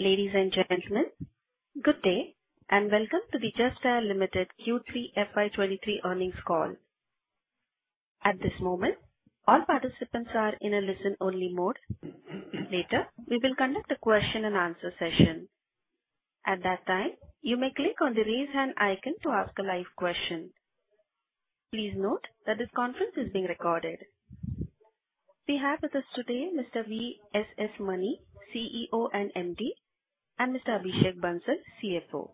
Ladies and gentlemen, good day, and welcome to the Just Dial Limited Q3 FY23 earnings call. At this moment, all participants are in a listen-only mode. Later, we will conduct a question-and-answer session. At that time, you may click on the Raise Hand icon to ask a live question. Please note that this conference is being recorded. We have with us today Mr. V.S.S. Mani, CEO and MD, and Mr. Abhishek Bansal, CFO.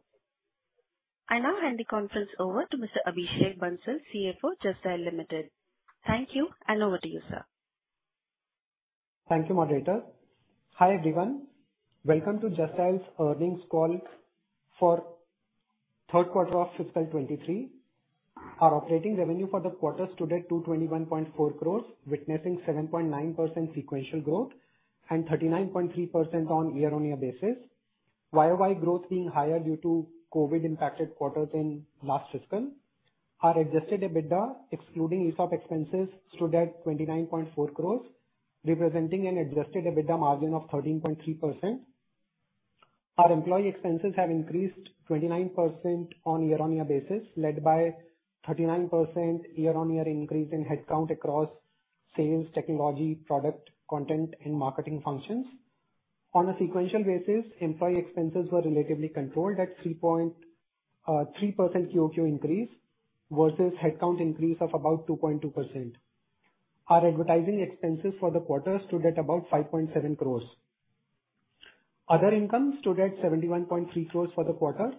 I now hand the conference over to Mr. Abhishek Bansal, CFO, Just Dial Limited. Thank you. Over to you, sir. Thank you, moderator. Hi, everyone. Welcome to Just Dial's earnings call for third quarter of FY23. Our operating revenue for the quarter stood at 221.4 crores, witnessing 7.9% sequential growth and 39.3% on a year-over-year basis. YoY growth being higher due to COVID impacted quarters in last fiscal. Our adjusted EBITDA, excluding ESOP expenses, stood at 29.4 crores, representing an adjusted EBITDA margin of 13.3%. Our employee expenses have increased 29% on a year-over-year basis, led by 39% year-over-year increase in head count across sales, technology, product, content and marketing functions. On a sequential basis, employee expenses were relatively controlled at 3.3% quarter-over-quarter increase versus headcount increase of about 2.2%. Our advertising expenses for the quarter stood at about 5.7 crores. Other income stood at 71.3 crores for the quarter.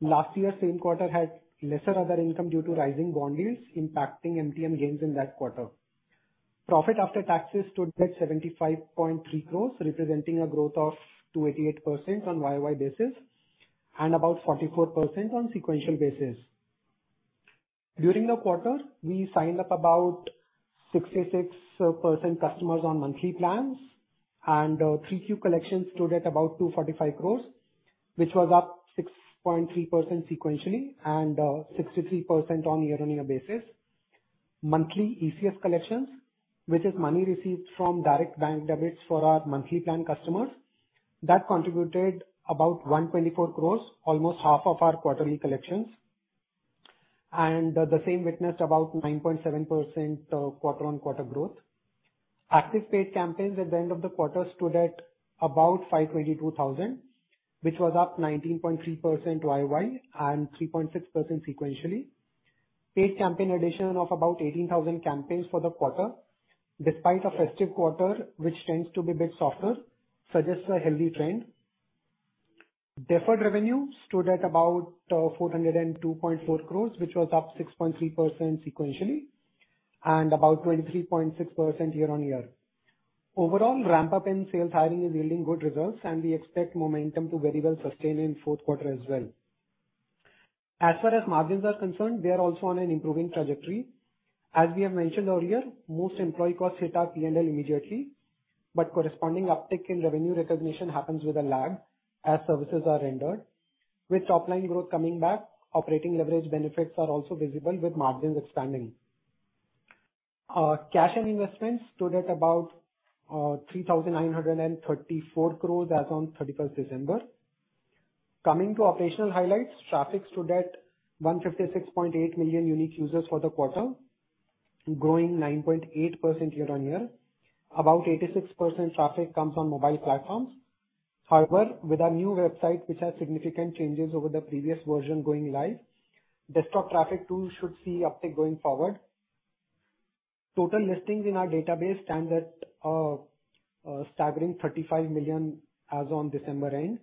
Last year same quarter had lesser other income due to rising bond yields impacting MTM gains in that quarter. Profit after taxes stood at 75.3 crores, representing a growth of 288% on YoY basis and about 44% on sequential basis. During the quarter, we signed up about 66% customers on monthly plans and 3Q collections stood at about 245 crores, which was up 6.3% sequentially and 63% on year-on-year basis. Monthly ECS collections, which is money received from direct bank debits for our monthly plan customers, that contributed about 124 crores, almost half of our quarterly collections. The same witnessed about 9.7% quarter-on-quarter growth. Active paid campaigns at the end of the quarter stood at about 522,000, which was up 19.3% YoY and 3.6% sequentially. Paid campaign addition of about 18,000 campaigns for the quarter, despite a festive quarter, which tends to be a bit softer, suggests a healthy trend. Deferred revenue stood at about 402.4 crores, which was up 6.3% sequentially and about 23.6% YoY. Overall ramp up in sales hiring is yielding good results. We expect momentum to very well sustain in fourth quarter as well. As far as margins are concerned, we are also on an improving trajectory. As we have mentioned earlier, most employee costs hit our PNL immediately, but corresponding uptick in revenue recognition happens with a lag as services are rendered. With top line growth coming back, operating leverage benefits are also visible with margins expanding. Our cash and investments stood at about 3,934 crores as on 31st December. Coming to operational highlights, traffic stood at 156.8 million unique users for the quarter, growing 9.8% year-on-year. About 86% traffic comes on mobile platforms. However, with our new website, which has significant changes over the previous version going live, desktop traffic too should see uptick going forward. Total listings in our database stands at a staggering 35 million as on December end.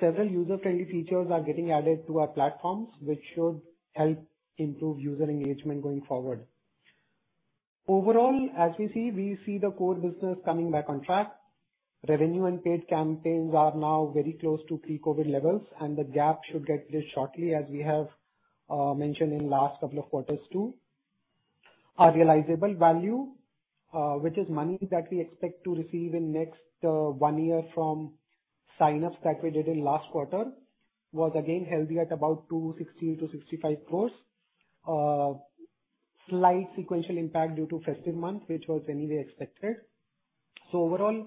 Several user-friendly features are getting added to our platforms, which should help improve user engagement going forward. Overall, as you see, we see the core business coming back on track. Revenue and paid campaigns are now very close to pre-COVID levels, the gap should get bridged shortly, as we have mentioned in last couple of quarters too. Our realizable value, which is money that we expect to receive in next one year from sign-ups that we did in last quarter was again healthy at about 260-265 crores. Slight sequential impact due to festive month, which was anyway expected. Overall,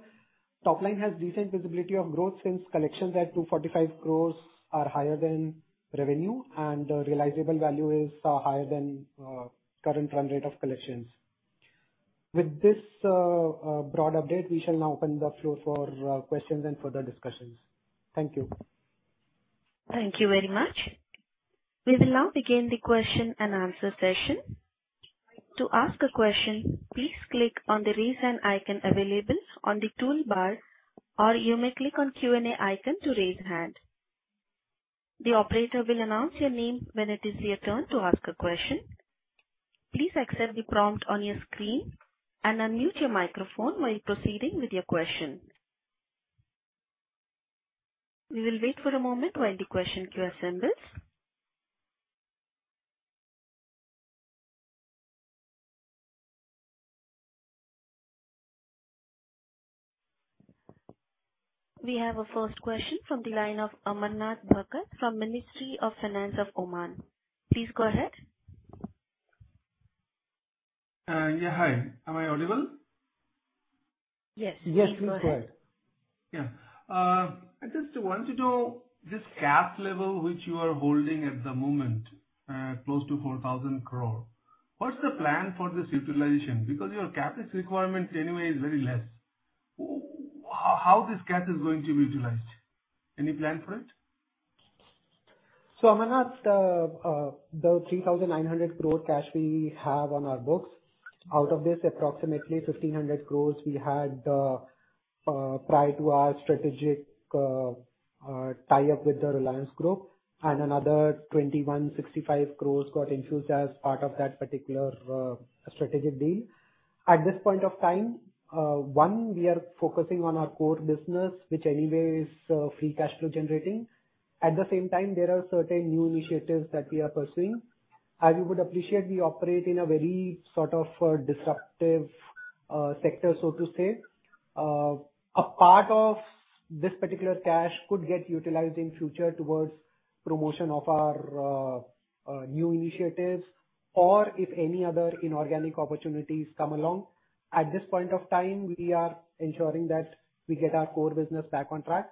top line has decent visibility of growth since collections at 245 crores are higher than revenue and the realizable value is higher than current run rate of collections. With this broad update, we shall now open the floor for questions and further discussions. Thank you. Thank you very much. We will now begin the question-and-answer session. To ask a question, please click on the Raise Hand icon available on the toolbar, or you may click on Q&A icon to raise hand. The operator will announce your name when it is your turn to ask a question. Please accept the prompt on your screen and unmute your microphone while proceeding with your question. We will wait for a moment while the question queue assembles. We have our first question from the line of Amarnath Bakut from Ministry of Finance of Oman. Please go ahead. Yeah, hi. Am I audible? Yes. Yes, please go ahead. Yeah. I just want to know this cash level which you are holding at the moment, close to 4,000 crore. What's the plan for this utilization? Because your capital requirement anyway is very less. How this cash is going to be utilized? Any plan for it? Amanat, the 3,900 crore cash we have on our books, out of this approximately 1,500 crores we had prior to our strategic tie-up with the Reliance Group and another 2,165 crores got infused as part of that particular strategic deal. At this point of time, one, we are focusing on our core business, which anyway is free cash flow generating. At the same time, there are certain new initiatives that we are pursuing. As you would appreciate, we operate in a very sort of disruptive sector, so to say. A part of this particular cash could get utilized in future towards promotion of our new initiatives or if any other inorganic opportunities come along. At this point of time, we are ensuring that we get our core business back on track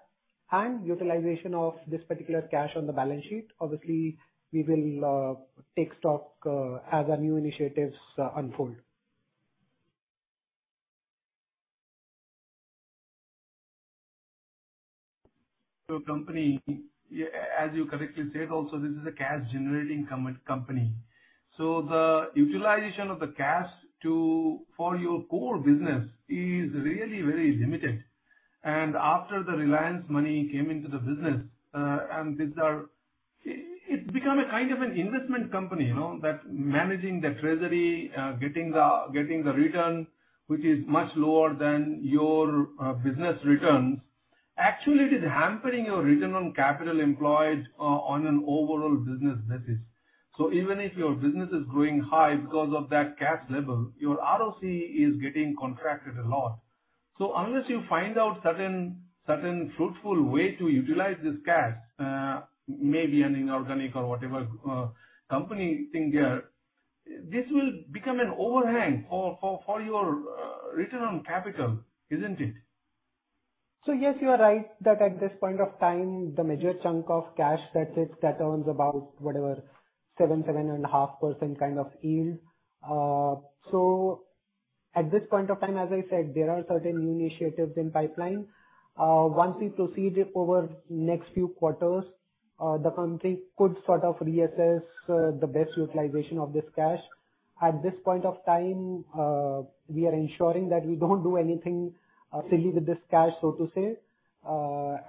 and utilization of this particular cash on the balance sheet. Obviously, we will take stock as our new initiatives unfold. Company, as you correctly said also, this is a cash generating company. The utilization of the cash to, for your core business is really very limited. After the Reliance money came into the business, and these are... it's become a kind of an investment company, you know, that managing the treasury, getting the return which is much lower than your business returns. Actually, it is hampering your return on capital employed on an overall business basis. Even if your business is growing high because of that cash level, your ROC is getting contracted a lot. Unless you find out certain fruitful way to utilize this cash, maybe an inorganic or whatever, company thing here, this will become an overhang for your return on capital, isn't it? Yes, you are right that at this point of time the major chunk of cash that sits, that earns about whatever 7.5% kind of yield. At this point of time, as I said, there are certain new initiatives in pipeline. Once we proceed over next few quarters, the company could sort of reassess the best utilization of this cash. At this point of time, we are ensuring that we don't do anything silly with this cash, so to say.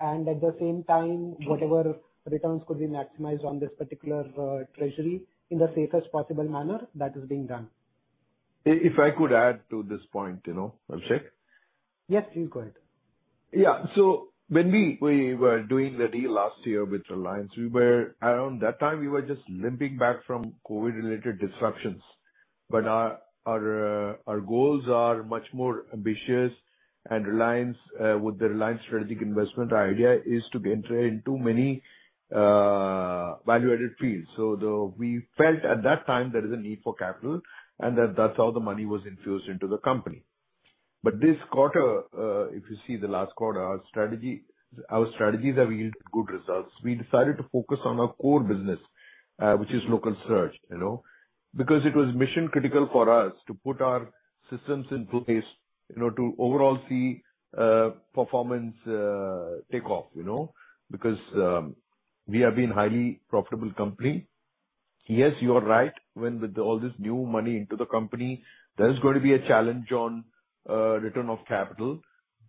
And at the same time, whatever returns could be maximized on this particular treasury in the safest possible manner that is being done. If I could add to this point, you know, Abhishek? Yes, please go ahead. Yeah. When we were doing the deal last year with Reliance, we were around that time we were just limping back from COVID related disruptions. Our goals are much more ambitious and Reliance, with the Reliance strategic investment, our idea is to enter into many value-added fields. We felt at that time there is a need for capital and that's how the money was infused into the company. This quarter, if you see the last quarter, our strategies have yielded good results. We decided to focus on our core business, which is local search, you know. Because it was mission critical for us to put our systems in place, you know, to overall see performance take off, you know. Because we have been highly profitable company. Yes, you are right, when with all this new money into the company, there is going to be a challenge on return of capital.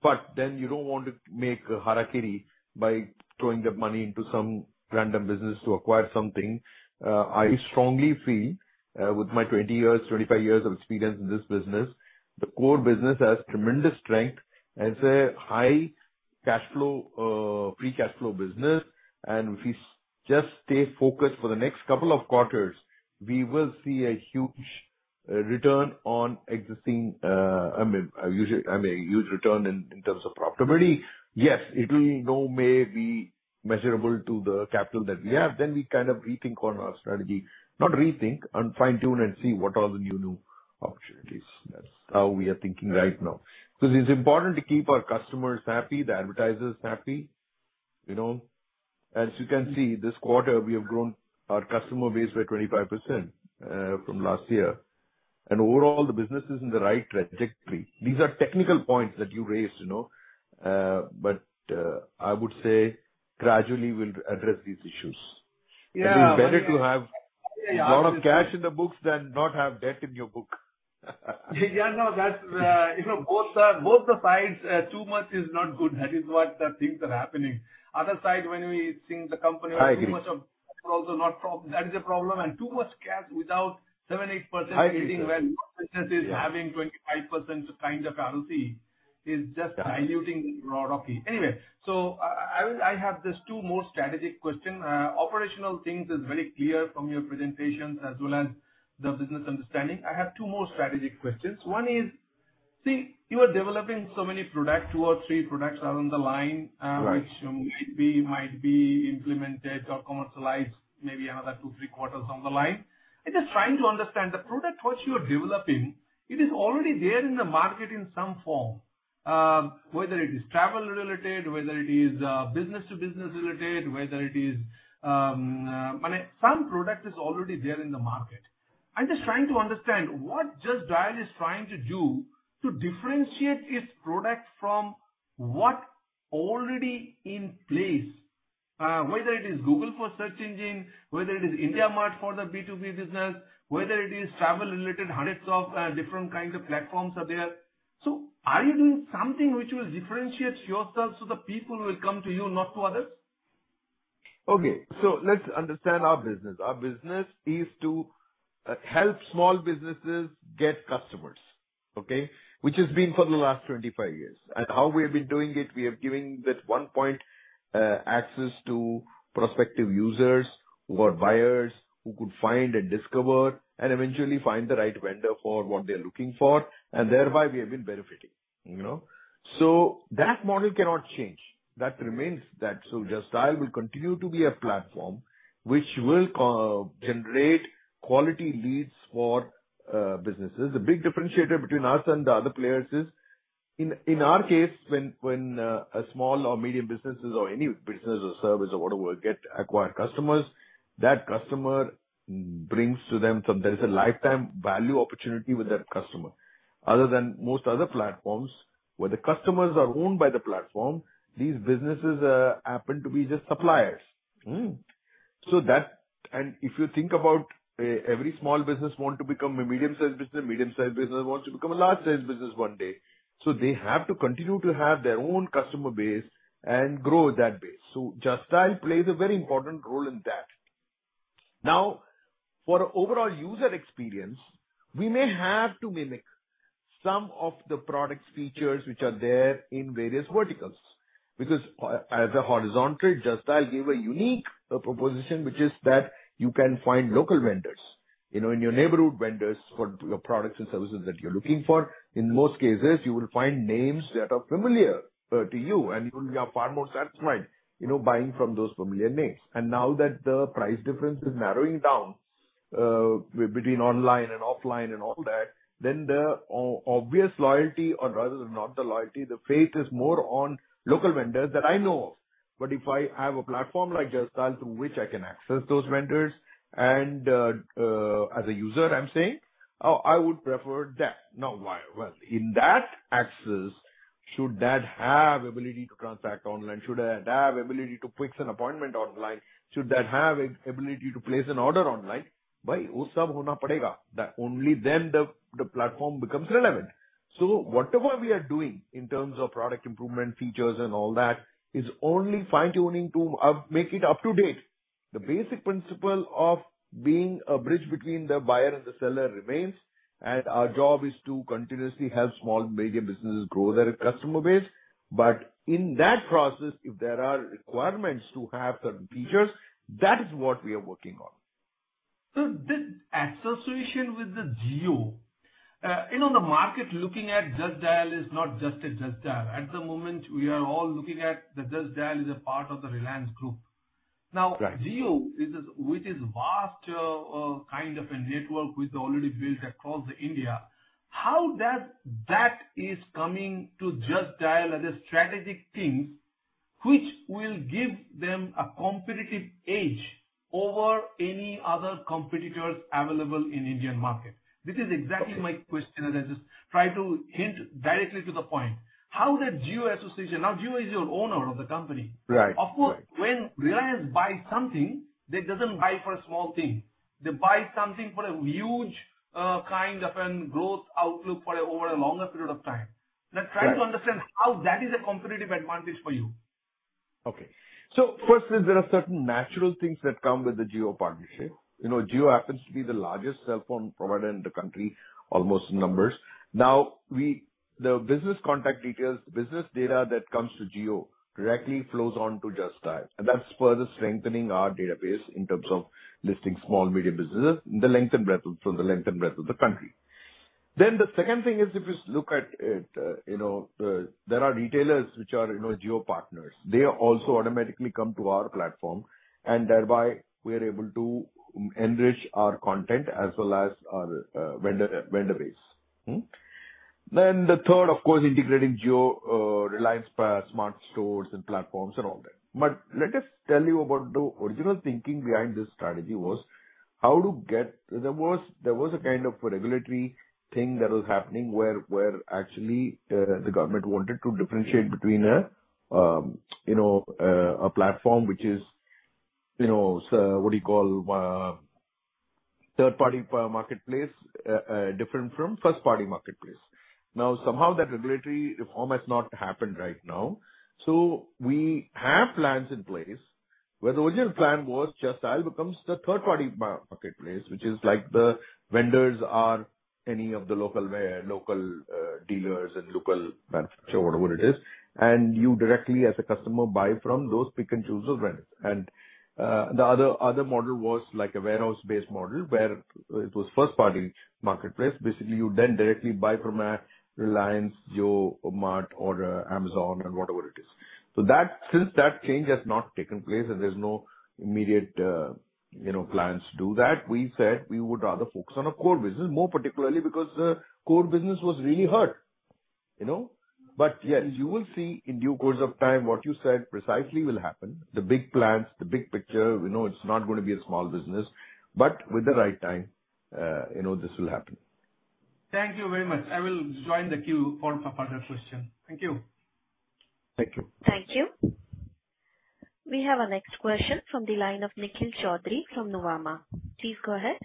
You don't want to make harakiri by throwing the money into some random business to acquire something. I strongly feel, with my 20 years, 25 years of experience in this business, the core business has tremendous strength as a high cash flow, free cash flow business. If we just stay focused for the next couple of quarters, we will see a huge return on existing, I mean, huge return in terms of profitability. Yes, it will no may be measurable to the capital that we have. We kind of rethink on our strategy. Not rethink, and fine tune and see what are the new opportunities. That's how we are thinking right now. It's important to keep our customers happy, the advertisers happy, you know. As you can see, this quarter we have grown our customer base by 25% from last year. Overall the business is in the right trajectory. These are technical points that you raised, you know. I would say gradually we'll address these issues. Yeah. It is better to have a lot of cash in the books than not have debt in your book. Yes. No. Both the sides, too much is not good. That is what, things are happening. Other side, when we think the company- I agree. has too much of Yeah. That is a problem. Too much cash without 7%, 8%- I agree. getting when business is having 25% kind of ROCE is just diluting raw ROCE. Anyway, I have just two more strategic question. Operational things is very clear from your presentations as well as the business understanding. I have two more strategic questions. You are developing so many products, two or three products are on the line. Right. Which might be implemented or commercialized maybe another 2, 3 quarters on the line. I'm just trying to understand the product what you are developing, it is already there in the market in some form, whether it is travel-related, whether it is business-to-business related, whether it is some product is already there in the market. I'm just trying to understand what Just Dial is trying to do to differentiate its product from what already in place, whether it is Google for search engine, whether it is IndiaMART for the B2B business, whether it is travel-related, hundreds of different kinds of platforms are there. Are you doing something which will differentiate yourself so the people will come to you, not to others? Okay. Let's understand our business. Our business is to help small businesses get customers, okay? Which has been for the last 25 years. How we have been doing it, we have given that one point access to prospective users who are buyers who could find and discover and eventually find the right vendor for what they're looking for, and thereby we have been benefiting, you know? That model cannot change. That remains that. Justdial will continue to be a platform which will co-generate quality leads for businesses. The big differentiator between us and the other players is in our case, when a small or medium businesses or any business or service or whatever will get acquired customers, that customer brings to them some. There is a lifetime value opportunity with that customer. Other than most other platforms where the customers are owned by the platform, these businesses happen to be just suppliers. Mm-hmm. If you think about every small business want to become a medium-sized business, a medium-sized business wants to become a large sales business one day. They have to continue to have their own customer base and grow that base. Justdial plays a very important role in that. Now, for overall user experience, we may have to mimic some of the products features which are there in various verticals. Because as a horizontal, Justdial give a unique proposition, which is that you can find local vendors, you know, in your neighborhood vendors for your products and services that you're looking for. In most cases, you will find names that are familiar to you, and you will be far more satisfied, you know, buying from those familiar names. And now that the price difference is narrowing down between online and offline and all that, then the obvious loyalty, or rather not the loyalty, the faith is more on local vendors that I know of. But if I have a platform like Just Dial through which I can access those vendors and as a user, I'm saying, "Oh, I would prefer that." Now, why? Well, in that access should that have ability to transact online, should that have ability to fix an appointment online, should that have ability to place an order online, that only then the platform becomes relevant. Whatever we are doing in terms of product improvement features and all that is only fine-tuning to make it up to date. The basic principle of being a bridge between the buyer and the seller remains. Our job is to continuously help small and medium businesses grow their customer base. In that process, if there are requirements to have certain features, that is what we are working on. This association with the Jio, you know, the market looking at Just Dial is not just a Just Dial. At the moment, we are all looking at the Just Dial is a part of the Reliance group. Right. Jio is with its vast kind of a network which they already built across India, how that is coming to JustDial as a strategic thing which will give them a competitive edge over any other competitors available in Indian market? This is exactly my question. I just try to hint directly to the point. How that Jio association. Jio is your owner of the company. Right. Right. When Reliance buys something, they doesn't buy for a small thing. They buy something for a huge kind of an growth outlook for over a longer period of time. Right. Try to understand how that is a competitive advantage for you. Okay. First is there are certain natural things that come with the Jio partnership. You know, Jio happens to be the largest cell phone provider in the country, almost in numbers. Now the business contact details, business data that comes to Jio directly flows on to Justdial, and that's further strengthening our database in terms of listing small and medium businesses from the length and breadth of the country. The second thing is, if you look at, you know, there are retailers which are, you know, Jio partners. They also automatically come to our platform, and thereby we are able to enrich our content as well as our vendor base. The third, of course, integrating Jio, Reliance SMART stores and platforms and all that. Let us tell you about the original thinking behind this strategy was how to get. There was a kind of regulatory thing that was happening where actually, the government wanted to differentiate between a, you know, a platform which is, you know, so what do you call, third-party marketplace, different from first-party marketplace. Somehow that regulatory reform has not happened right now. We have plans in place where the original plan was Justdial becomes the third-party marketplace, which is like the vendors are any of the local dealers and local manufacturer, whatever it is. You directly as a customer buy from those pick and choose of vendors. The other model was like a warehouse-based model where it was first-party marketplace. Basically, you then directly buy from a Reliance JioMart or Amazon or whatever it is. That, since that change has not taken place and there's no immediate, you know, plans to do that, we said we would rather focus on our core business, more particularly because the core business was really hurt, you know. Yes, you will see in due course of time what you said precisely will happen. The big plans, the big picture, we know it's not gonna be a small business, but with the right time, you know, this will happen. Thank you very much. I will join the queue for further question. Thank you. Thank you. Thank you. We have our next question from the line of Nikhil Choudhary from Nomura. Please go ahead.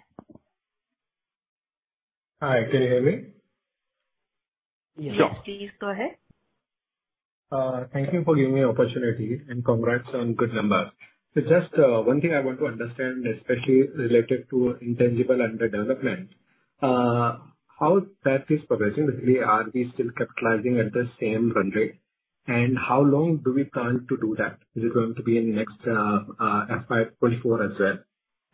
Hi. Can you hear me? Yes. Yes, please go ahead. Thank you for giving me opportunity and congrats on good numbers. Just one thing I want to understand, especially related to intangible under development, how that is progressing. Are we still capitalizing at the same run rate, and how long do we plan to do that? Is it going to be in next FY24 as well?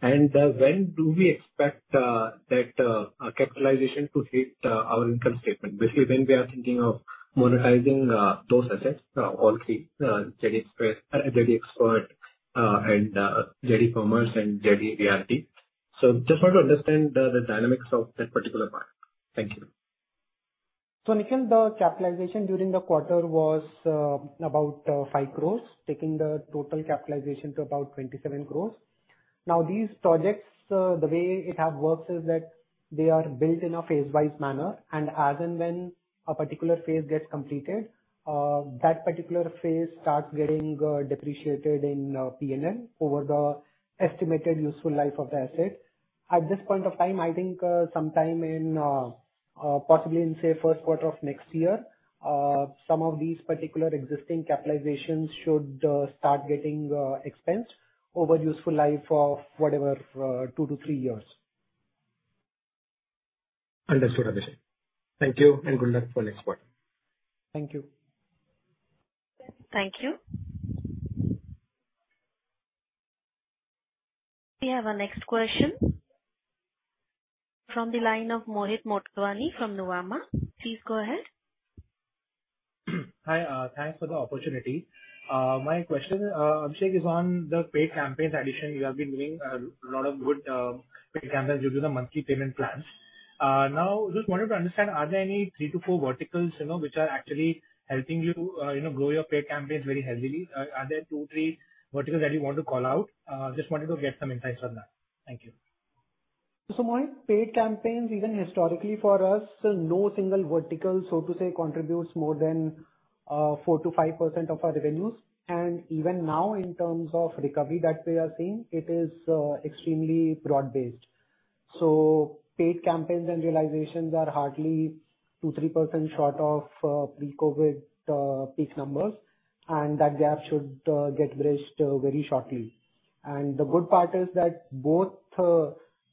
When do we expect that capitalization to hit our income statement? Basically, when we are thinking of monetizing those assets, all three, JD Express, JD Expert, and JD Commerce and JD VRT. Just want to understand the dynamics of that particular part. Thank you. Nikhil, the capitalization during the quarter was about 5 crores, taking the total capitalization to about 27 crores. These projects, the way it have works is that they are built in a phase-wise manner and as and when a particular phase gets completed, that particular phase starts getting depreciated in PNL over the estimated useful life of the asset. At this point of time, I think, sometime in, possibly in, say, first quarter of next year, some of these particular existing capitalizations should start getting expensed over useful life of whatever, two to three years. Understood, Abhishek. Thank you and good luck for next quarter. Thank you. Thank you. We have our next question from the line of Mohit Motwani from Nomura. Please go ahead. Hi, thanks for the opportunity. My question, Abhishek, is on the paid campaigns addition. You have been doing a lot of good paid campaigns due to the monthly payment plans. Now just wanted to understand, are there any 3 to 4 verticals, you know, which are actually helping you know, grow your paid campaigns very heavily? Are there 2, 3 verticals that you want to call out? Just wanted to get some insights on that. Thank you. Mohit, paid campaigns even historically for us, no single vertical, so to say, contributes more than 4%-5% of our revenues. Even now in terms of recovery that we are seeing, it is extremely broad-based. Paid campaigns and realizations are hardly 2%, 3% short of pre-COVID peak numbers, and that gap should get bridged very shortly. The good part is that both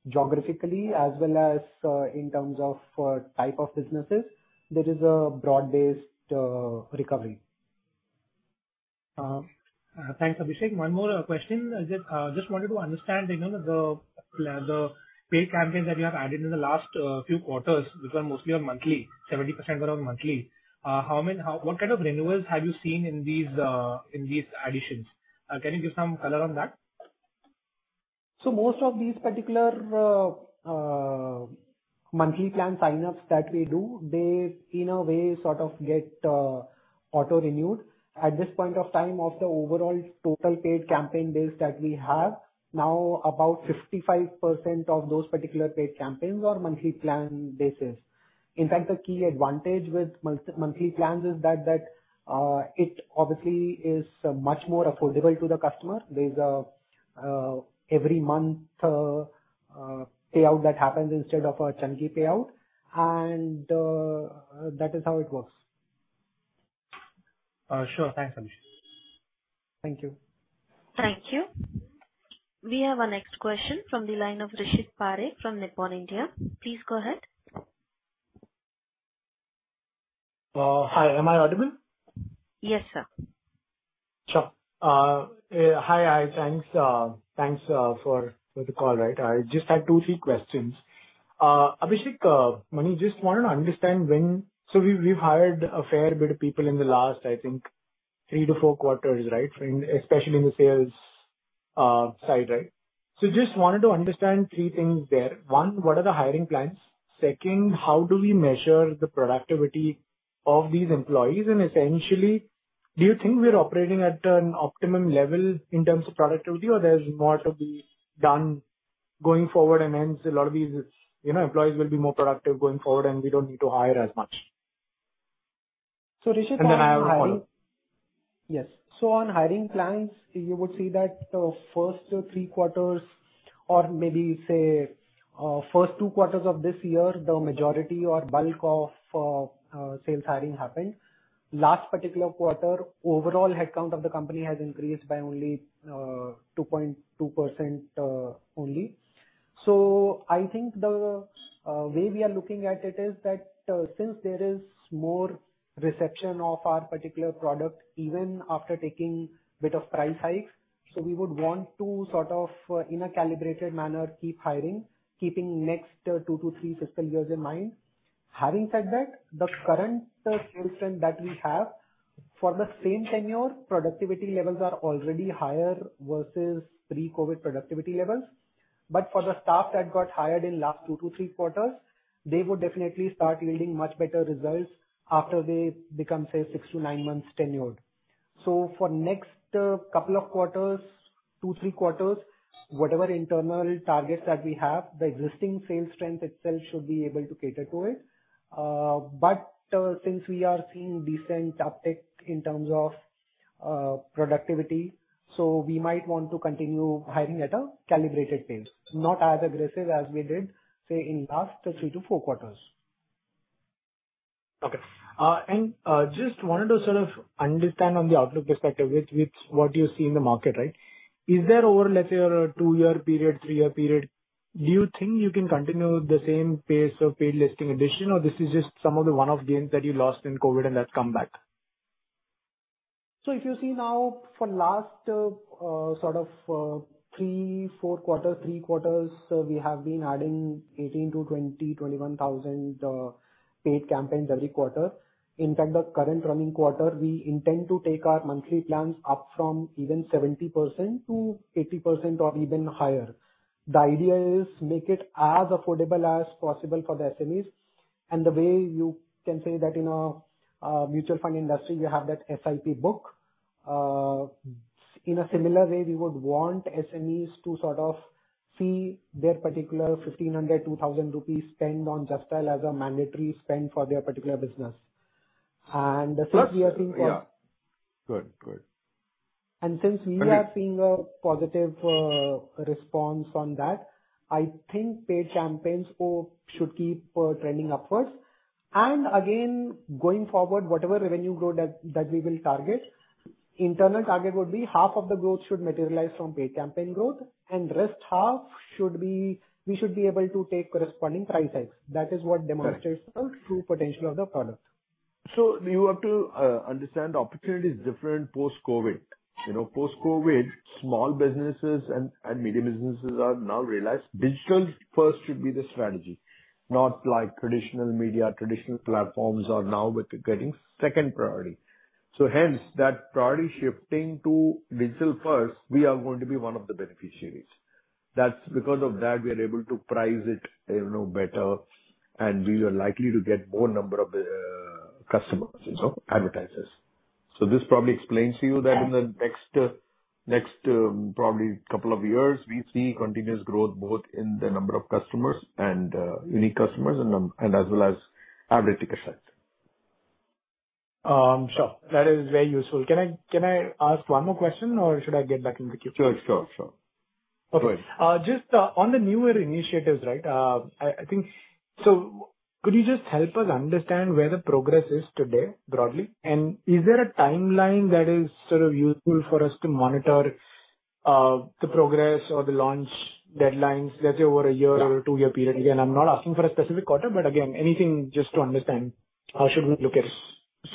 geographically as well as in terms of type of businesses, there is a broad-based recovery. Thanks, Abhishek. One more question. Just wanted to understand, you know, the paid campaigns that you have added in the last few quarters, which are mostly on monthly, 70% were on monthly, what kind of renewals have you seen in these in these additions? Can you give some color on that? Most of these particular monthly plan sign-ups that we do, they in a way sort of get auto renewed. At this point of time, of the overall total paid campaign base that we have, now about 55% of those particular paid campaigns are monthly plan basis. In fact, the key advantage with monthly plans is that it obviously is much more affordable to the customer. There's a every month payout that happens instead of a chunky payout, and that is how it works. Sure. Thanks, Abhishek. Thank you. Thank you. We have our next question from the line of Rishit Parikh from Nippon India. Please go ahead. Hi. Am I audible? Yes, sir. Sure. Hi. Thanks, thanks for the call, right. I just had 2, 3 questions. Abhishek, I just want to understand. We've hired a fair bit of people in the last, I think 3 to 4 quarters, right? In especially in the sales side, right. Just wanted to understand 3 things there. One, what are the hiring plans? Second, how do we measure the productivity of these employees? Essentially, do you think we're operating at an optimum level in terms of productivity or there's more to be done going forward and hence a lot of these, you know, employees will be more productive going forward and we don't need to hire as much? Rishik. I have a follow-up. Yes. On hiring plans, you would see that the first three quarters or maybe say, first two quarters of this year, the majority or bulk of sales hiring happened. Last particular quarter, overall headcount of the company has increased by only 2.2% only. I think the way we are looking at it is that since there is more reception of our particular product, even after taking bit of price hikes. We would want to sort of, in a calibrated manner, keep hiring, keeping next 2-3 fiscal years in mind. Having said that, the current sales trend that we have for the same tenure, productivity levels are already higher versus pre-COVID productivity levels. For the staff that got hired in last two to three quarters, they would definitely start yielding much better results after they become, say, six to nine months tenured. For next, couple of quarters, two, three quarters, whatever internal targets that we have, the existing sales strength itself should be able to cater to it. Since we are seeing decent uptick in terms of productivity, so we might want to continue hiring at a calibrated pace, not as aggressive as we did, say, in last three to four quarters. Okay. Just wanted to sort of understand on the outlook perspective with what you see in the market, right? Is there over, let's say, a 2-year period, 3-year period, do you think you can continue the same pace of paid listing addition or this is just some of the one-off gains that you lost in COVID and that's come back? If you see now for last, sort of, 3, 4 quarter, 3 quarters, we have been adding 18,000-20,000, 21,000 paid campaigns every quarter. In fact, the current running quarter, we intend to take our monthly plans up from even 70%-80% or even higher. The idea is make it as affordable as possible for the SMEs. The way you can say that in a mutual fund industry you have that SIP book. In a similar way, we would want SMEs to sort of see their particular 1,500 rupees, 2,000 rupees spend on Justdial as a mandatory spend for their particular business. Yeah. Good. Good. Since we are seeing a positive response on that, I think paid campaigns should keep trending upwards. Again, going forward, whatever revenue growth that we will target, internal target would be half of the growth should materialize from paid campaign growth and rest half should be. We should be able to take corresponding price hikes. That is what demonstrates. Right. The true potential of the product. You have to understand opportunity is different post-COVID. You know, post-COVID, small businesses and medium businesses are now realized digital first should be the strategy, not like traditional media. Traditional platforms are now getting second priority. Hence that priority shifting to digital first, we are going to be one of the beneficiaries. That's because of that we are able to price it, you know, better and we are likely to get more number of customers, you know, advertisers. This probably explains to you that in the next probably 2 years we see continuous growth both in the number of customers and unique customers and as well as average ticket size. Sure. That is very useful. Can I ask one more question or should I get back in the queue? Sure. Sure. Sure. Okay. Go ahead. Just on the newer initiatives, right? I think. Could you just help us understand where the progress is today, broadly? Is there a timeline that is sort of useful for us to monitor the progress or the launch deadlines, let's say over a year or two-year period? I'm not asking for a specific quarter, but again, anything just to understand how should we look at it.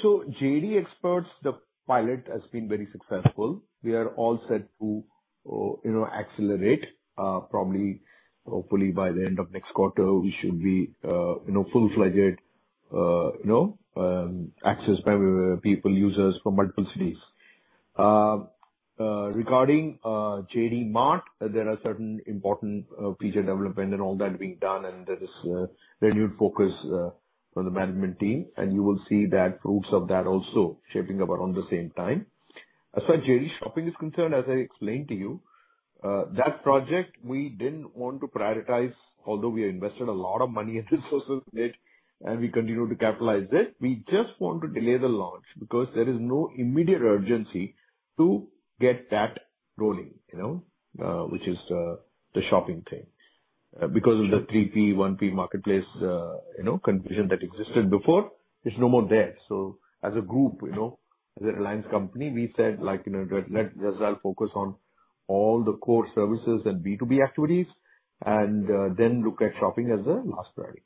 JD Xperts, the pilot has been very successful. We are all set to, you know, accelerate, probably hopefully by the end of next quarter we should be, you know, full-fledged, you know, accessed by people, users from multiple cities. Regarding JdMart, there are certain important feature development and all that being done and there is a renewed focus from the management team, and you will see that proofs of that also shaping up around the same time. As far as JD Shopping is concerned, as I explained to you, that project we didn't want to prioritize, although we invested a lot of money and resources in it and we continue to capitalize it. We just want to delay the launch because there is no immediate urgency to get that rolling, you know? Which is the shopping thing. Because of the 3P, 1P marketplace, you know, confusion that existed before, it's no more there. As a group, you know, as a Reliance company, we said, like, you know, let Just Dial focus on all the core services and B2B activities and then look at shopping as a last priority.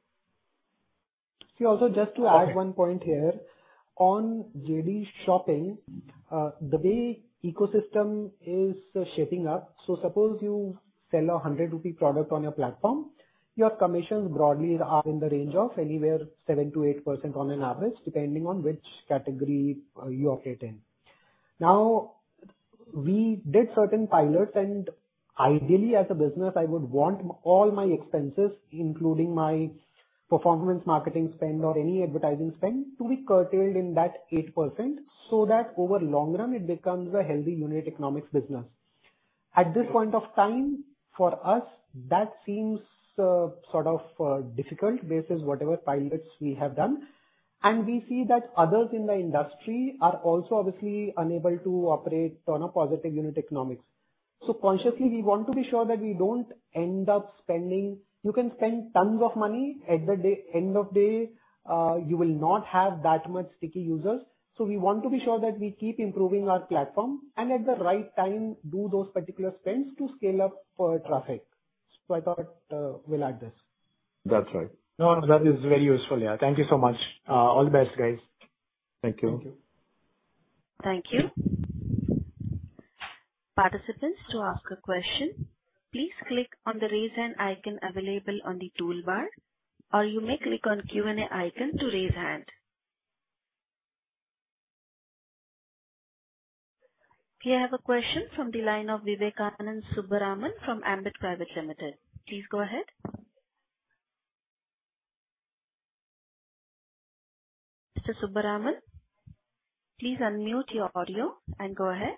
See, also just to add one point here. On JD Shopping, the way ecosystem is shaping up, so suppose you sell a 100 rupee product on your platform. Your commissions broadly are in the range of anywhere 7%-8% on an average, depending on which category you operate in. Now, we did certain pilots and ideally as a business I would want all my expenses, including my performance marketing spend or any advertising spend to be curtailed in that 8%, so that over long run it becomes a healthy unit economics business. At this point of time, for us that seems sort of difficult basis whatever pilots we have done. We see that others in the industry are also obviously unable to operate on a positive unit economics. Consciously, we want to be sure that we don't end up spending. You can spend tons of money, end of day, you will not have that much sticky users. We want to be sure that we keep improving our platform and at the right time do those particular spends to scale up for traffic. I thought, we'll add this. That's right. No, that is very useful. Yeah. Thank you so much. All the best guys. Thank you. Thank you. Thank you. Participants, to ask a question, please click on the Raise Hand icon available on the toolbar, or you may click on Q&A icon to raise hand. We have a question from the line of Vivekanand Subbaraman from Ambit Private Limited. Please go ahead. Mr. Subbaraman, please unmute your audio and go ahead.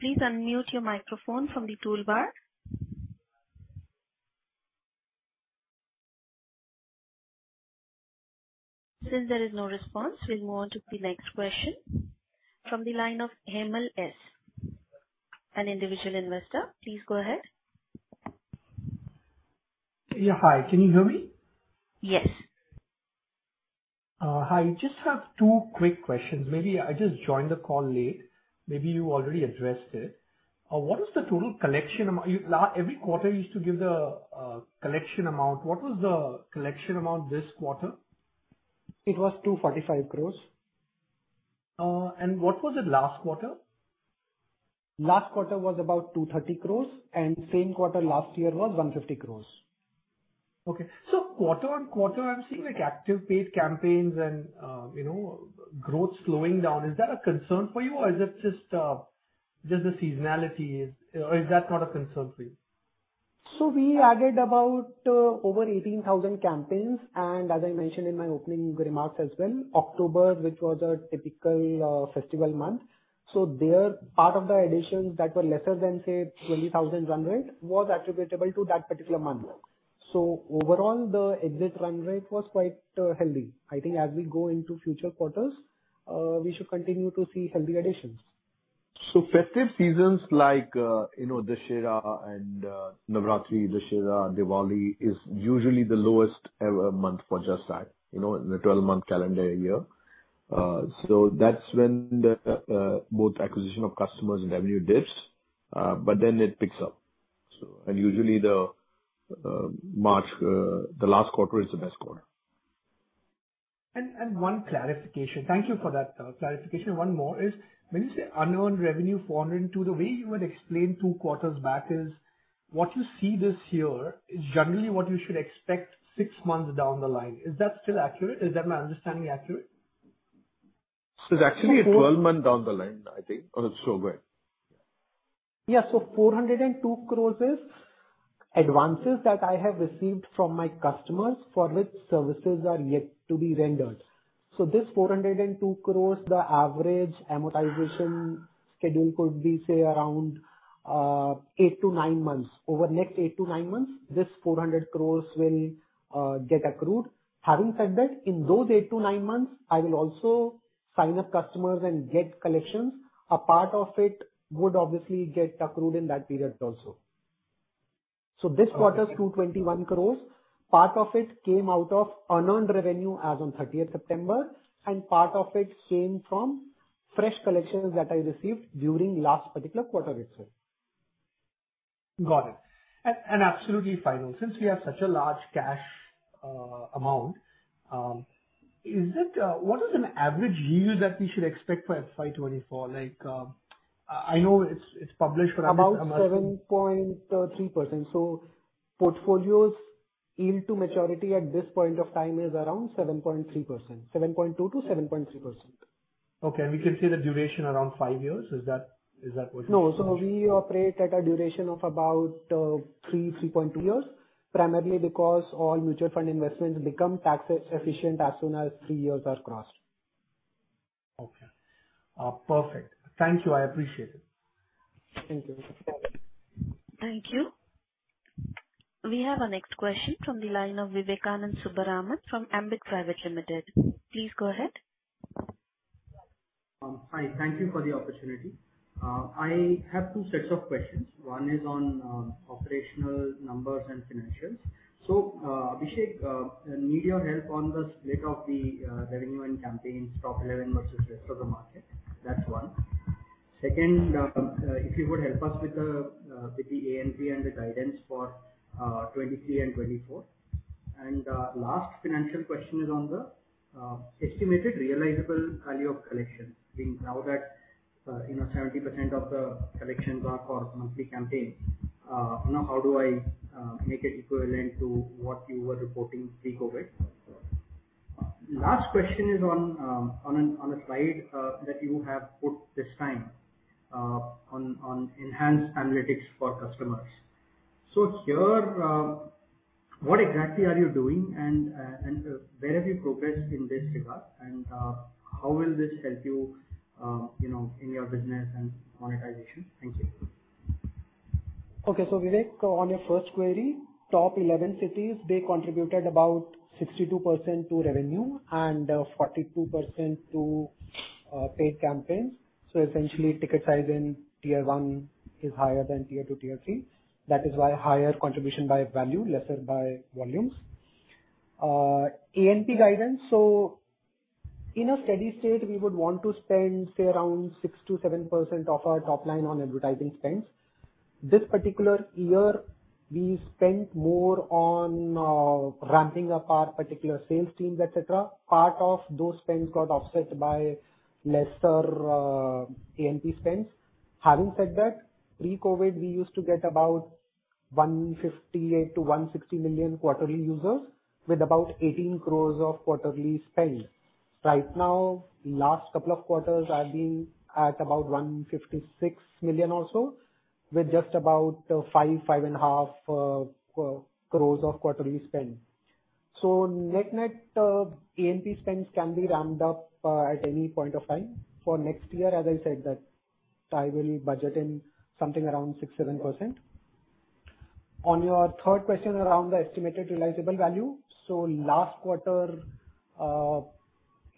Please unmute your microphone from the toolbar. Since there is no response, we'll move on to the next question from the line of Hemal S, an individual investor. Please go ahead. Yeah. Hi. Can you hear me? Yes. Hi. Just have 2 quick questions. Maybe I just joined the call late, maybe you already addressed it. What is the total collection amount? Every quarter you used to give the collection amount. What was the collection amount this quarter? It was 245 crores. What was it last quarter? Last quarter was about 230 crores, and same quarter last year was 150 crores. Okay. Quarter-on-quarter, I'm seeing like active paid campaigns and, you know, growth slowing down. Is that a concern for you or is it just the seasonality, or is that not a concern for you? We added about over 18,000 campaigns. As I mentioned in my opening remarks as well, October, which was a typical festival month. Part of the additions that were lesser than, say, 20,000 run rate was attributable to that particular month. Overall, the exit run rate was quite healthy. I think as we go into future quarters, we should continue to see healthy additions. Festive seasons like, you know, Dussehra and Navratri, Dussehra, Diwali is usually the lowest ever month for Justdial, you know, in the 12-month calendar year. That's when the both acquisition of customers and revenue dips, but then it picks up. Usually the March, the last quarter is the best quarter. One clarification. Thank you for that clarification. One more is when you say unearned revenue 402, the way you would explain 2 quarters back is what you see this year is generally what you should expect 6 months down the line. Is that still accurate? Is that my understanding accurate? It's actually a 12-month down the line, I think, or so, right? Yeah. 402 crores is advances that I have received from my customers for which services are yet to be rendered. This 402 crores, the average amortization schedule could be, say, around 8-9 months. Over next 8-9 months, this 400 crores will get accrued. Having said that, in those 8-9 months, I will also sign up customers and get collections. A part of it would obviously get accrued in that period also. This quarter's 221 crores, part of it came out of unearned revenue as on 30th September, and part of it came from fresh collections that I received during last particular quarter itself. Got it. Absolutely final. Since we have such a large cash amount, is it what is an average yield that we should expect for FY 2024? Like, I know it's published, but I'm just- About 7.3%. Portfolios yield to maturity at this point of time is around 7.3%. 7.2%-7.3%. Okay. We can say the duration around five years, is that what you? No. We operate at a duration of about 3.2 years, primarily because all mutual fund investments become tax efficient as soon as 3 years are crossed. Okay. perfect. Thank you. I appreciate it. Thank you. Thank you. We have our next question from the line of Vivekanand Subbaraman from Ambit Private Limited. Please go ahead. Hi. Thank you for the opportunity. I have two sets of questions. One is on operational numbers and financials. Abhishek, need your help on the split of the revenue and campaigns, top 11 versus rest of the market. That's one. Second, if you would help us with the ANP and the guidance for FY23 and FY24. Last financial question is on the estimated realizable value of collections. I think now that, you know, 70% of the collections are for monthly campaigns, you know, how do I make it equivalent to what you were reporting pre-COVID? Last question is on a slide that you have put this time on enhanced analytics for customers. Here, what exactly are you doing and, where have you progressed in this regard and, how will this help you know, in your business and monetization? Thank you. Okay. Vivek, on your first query, top 11 cities, they contributed about 62% to revenue and 42% to paid campaigns. Essentially ticket size in tier one is higher than tier two, tier three. That is why higher contribution by value, lesser by volumes. ANP guidance. In a steady state, we would want to spend, say, around 6%-7% of our top line on advertising spends. This particular year, we spent more on ramping up our particular sales teams, et cetera. Part of those spends got offset by lesser AMP spends. Having said that, pre-COVID, we used to get about 158 million-160 million quarterly users with about 18 crores of quarterly spend. Right now, last couple of quarters are being at about 156 million or so, with just about 5 and a half crores of quarterly spend. net-net, AMP spends can be ramped up at any point of time. For next year, as I said that I will budget in something around 6%-7%. On your third question around the estimated realizable value. last quarter,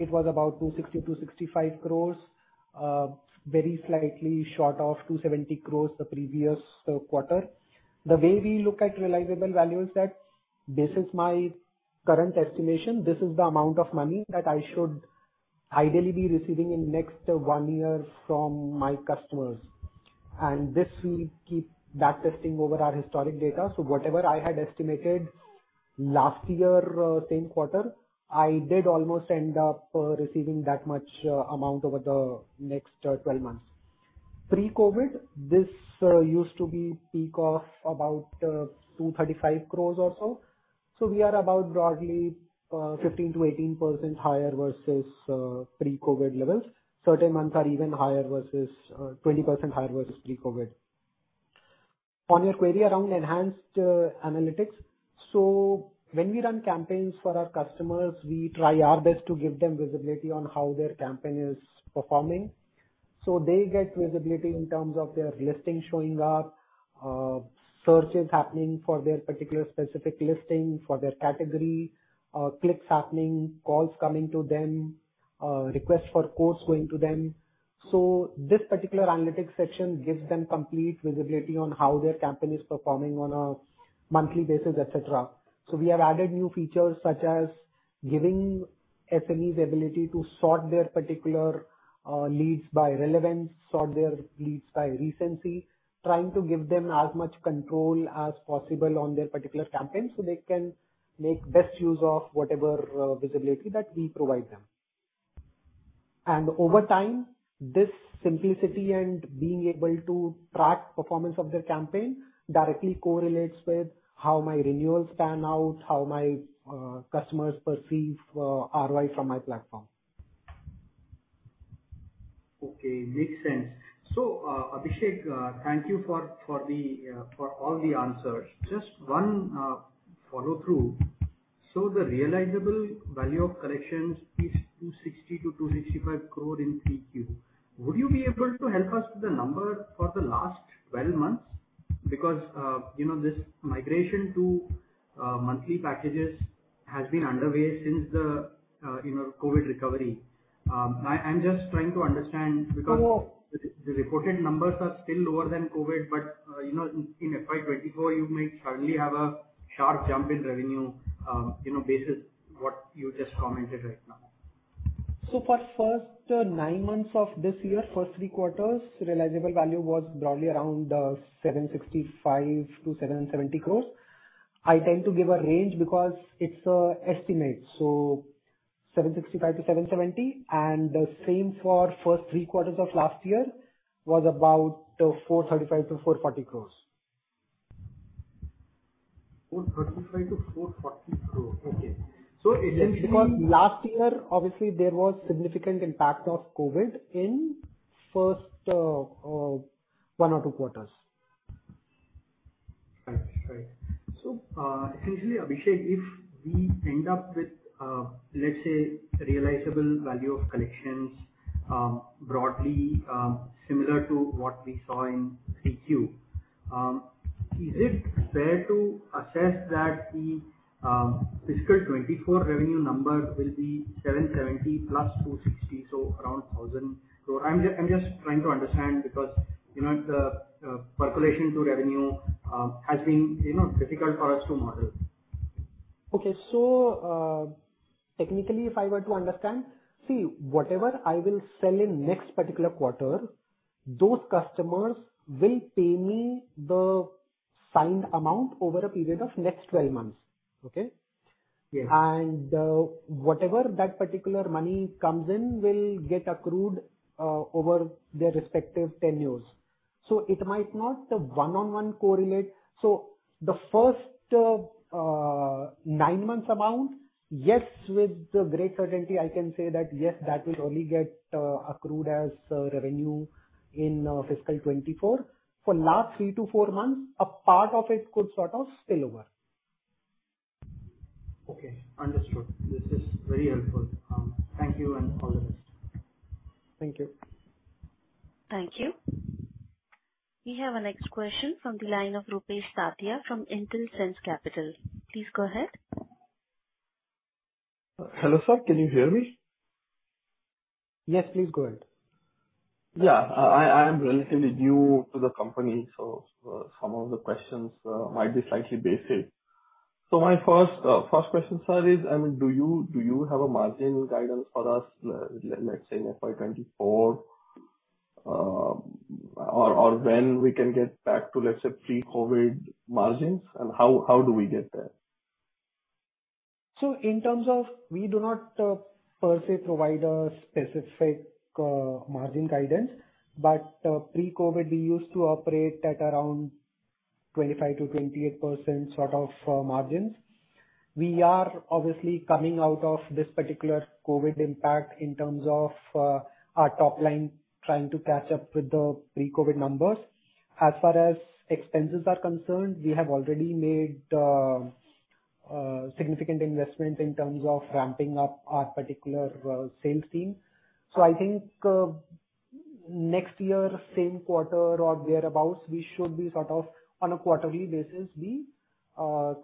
it was about 260-265 crores, very slightly short of 270 crores the previous quarter. The way we look at realizable value is that this is my current estimation, this is the amount of money that I should ideally be receiving in next one year from my customers, and this will keep backtesting over our historic data. Whatever I had estimated last year, same quarter, I did almost end up receiving that much amount over the next 12 months. Pre-COVID, this used to be peak of about 235 crores or so. We are about broadly 15%-18% higher versus Pre-COVID levels. Certain months are even higher versus 20% higher versus Pre-COVID. On your query around enhanced analytics. When we run campaigns for our customers, we try our best to give them visibility on how their campaign is performing, so they get visibility in terms of their listing showing up, searches happening for their particular specific listing, for their category, clicks happening, calls coming to them, requests for quotes going to them. This particular analytics section gives them complete visibility on how their campaign is performing on a monthly basis, et cetera. We have added new features, such as giving SMEs ability to sort their particular leads by relevance, sort their leads by recency, trying to give them as much control as possible on their particular campaign so they can make best use of whatever visibility that we provide them. Over time, this simplicity and being able to track performance of their campaign directly correlates with how my renewals pan out, how my customers perceive ROI from my platform. Okay, makes sense. Abhishek, thank you for the, for all the answers. Just one follow-through. The realizable value of collections is 260 crore-265 crore in three Q. Would you be able to help us with the number for the last 12 months? You know, this migration to monthly packages has been underway since the, you know, COVID recovery. I'm just trying to understand- Sure. Because the reported numbers are still lower than COVID, but, you know, in FY24 you may suddenly have a sharp jump in revenue, you know, basis what you just commented right now. For first nine months of this year, first three quarters, realizable value was broadly around 765 crores-770 crores. I tend to give a range because it's an estimate. 765 crores-770 crores and the same for first three quarters of last year was about 435 crores-440 crores. 435 crores-440 crores. Okay. Last year, obviously, there was significant impact of COVID in first one or two quarters. Right. Essentially, Abhishek, if we end up with, let's say, realizable value of collections, broadly, similar to what we saw in 3 Q, is it fair to assess that the fiscal 2024 revenue number will be 770 plus 260, so around 1,000? I'm just trying to understand because, you know, the percolation to revenue, has been, you know, difficult for us to model. Okay. technically, if I were to understand, see, whatever I will sell in next particular quarter, those customers will pay me the signed amount over a period of next 12 months. Okay? Yes. Whatever that particular money comes in will get accrued over their respective tenures. It might not one-on-one correlate. The first 9 months amount, yes, with great certainty I can say that, yes, that will only get accrued as revenue in fiscal 2024. For last 3 to 4 months, a part of it could sort of spill over. Okay. Understood. This is very helpful. Thank you and all the best. Thank you. Thank you. We have our next question from the line of Rupesh Satia from Intelsense Capital. Please go ahead. Hello sir, can you hear me? Yes, please go ahead. Yeah. I am relatively new to the company, so, some of the questions might be slightly basic. My first question, sir, is, I mean, do you have a margin guidance for us, let's say in FY 2024, or when we can get back to, let's say, pre-COVID margins and how do we get there? In terms of... We do not per se provide a specific margin guidance. Pre-COVID, we used to operate at around 25%-28% sort of margins. We are obviously coming out of this particular COVID impact in terms of our top line trying to catch up with the pre-COVID numbers. As far as expenses are concerned, we have already made significant investments in terms of ramping up our particular sales team. I think next year, same quarter or thereabout, we should be sort of on a quarterly basis be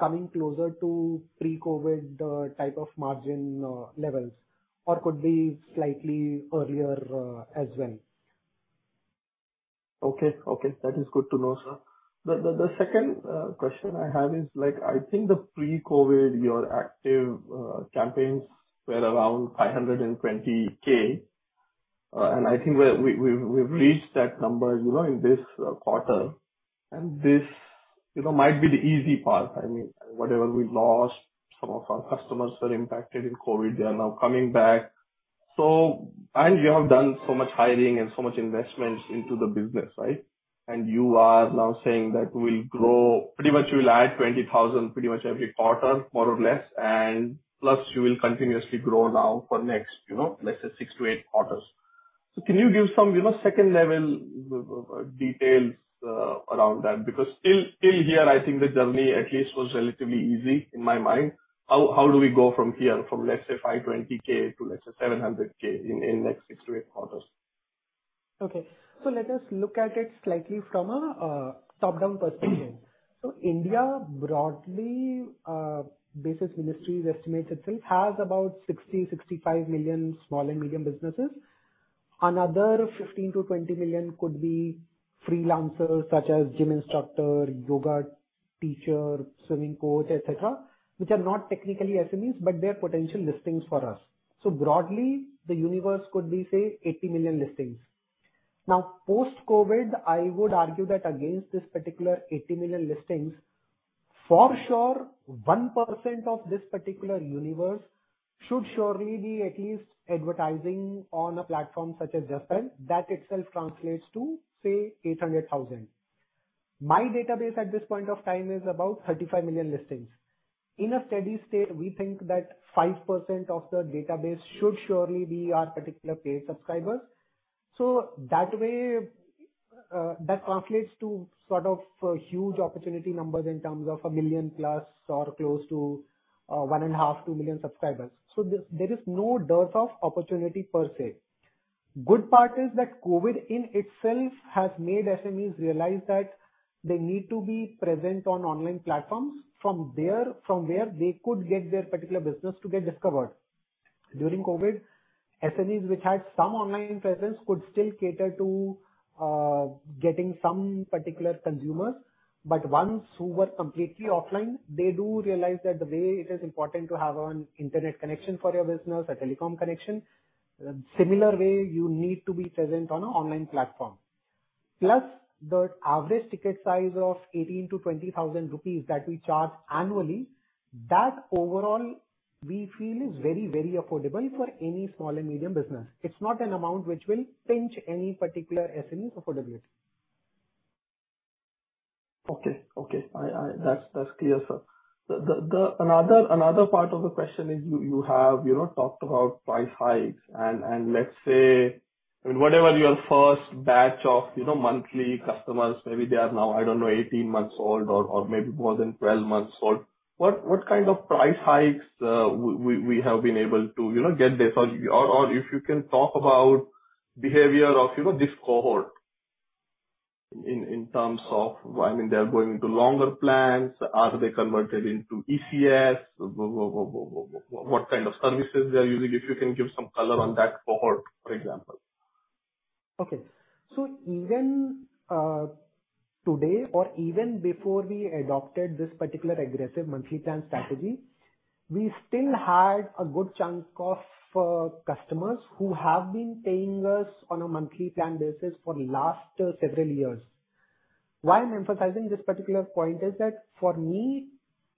coming closer to pre-COVID type of margin levels. Or could be slightly earlier as well. Okay. Okay. That is good to know, sir. The second question I have is, like, I think the pre-COVID, your active campaigns were around 520K. I think we've reached that number, you know, in this quarter. This, you know, might be the easy part. I mean, whatever we lost, some of our customers were impacted in COVID, they are now coming back. You have done so much hiring and so much investments into the business, right? You are now saying that we'll grow, pretty much we'll add 20,000 pretty much every quarter, more or less. Plus you will continuously grow now for next, you know, let's say 6-8 quarters. Can you give some, you know, second-level details around that? Still here, I think the journey at least was relatively easy, in my mind. How do we go from here, from let's say 520K to, let's say, 700K in the next 6-8 quarters? Okay. Let us look at it slightly from a top-down perspective. India broadly, basis ministries estimates itself has about 60-65 million small and medium businesses. Another 15-20 million could be freelancers such as gym instructor, yoga teacher, swimming coach, et cetera, which are not technically SMEs, but they are potential listings for us. Broadly, the universe could be, say, 80 million listings. Post-COVID, I would argue that against this particular 80 million listings, for sure, 1% of this particular universe should surely be at least advertising on a platform such as Just Dial. That itself translates to, say, 800,000. My database at this point of time is about 35 million listings. In a steady state, we think that 5% of the database should surely be our particular paid subscribers. That way, that translates to sort of huge opportunity numbers in terms of 1 million+ or close to 1.5-2 million subscribers. There is no dearth of opportunity per se. Good part is that COVID in itself has made SMEs realize that they need to be present on online platforms from there, from where they could get their particular business to get discovered. During COVID, SMEs which had some online presence could still cater to getting some particular consumers, but ones who were completely offline, they do realize that the way it is important to have an internet connection for your business, a telecom connection, similar way you need to be present on an online platform. Plus the average ticket size of 18,000-20,000 rupees that we charge annually, that overall we feel is very, very affordable for any small and medium business. It's not an amount which will pinch any particular SMEs affordability. Okay. Okay. I That's clear, sir. The another part of the question is you have, you know, talked about price hikes and let's say, I mean, whatever your first batch of, you know, monthly customers, maybe they are now, I don't know, 18 months old or, maybe more than 12 months old, what kind of price hikes we have been able to, you know, get there? Or if you can talk about behavior of, you know, this cohort in terms of, I mean, they are going into longer plans? Are they converted into ECS? What kind of services they are using? If you can give some color on that cohort, for example. Okay. Even today or even before we adopted this particular aggressive monthly plan strategy, we still had a good chunk of customers who have been paying us on a monthly plan basis for last several years. Why I'm emphasizing this particular point is that for me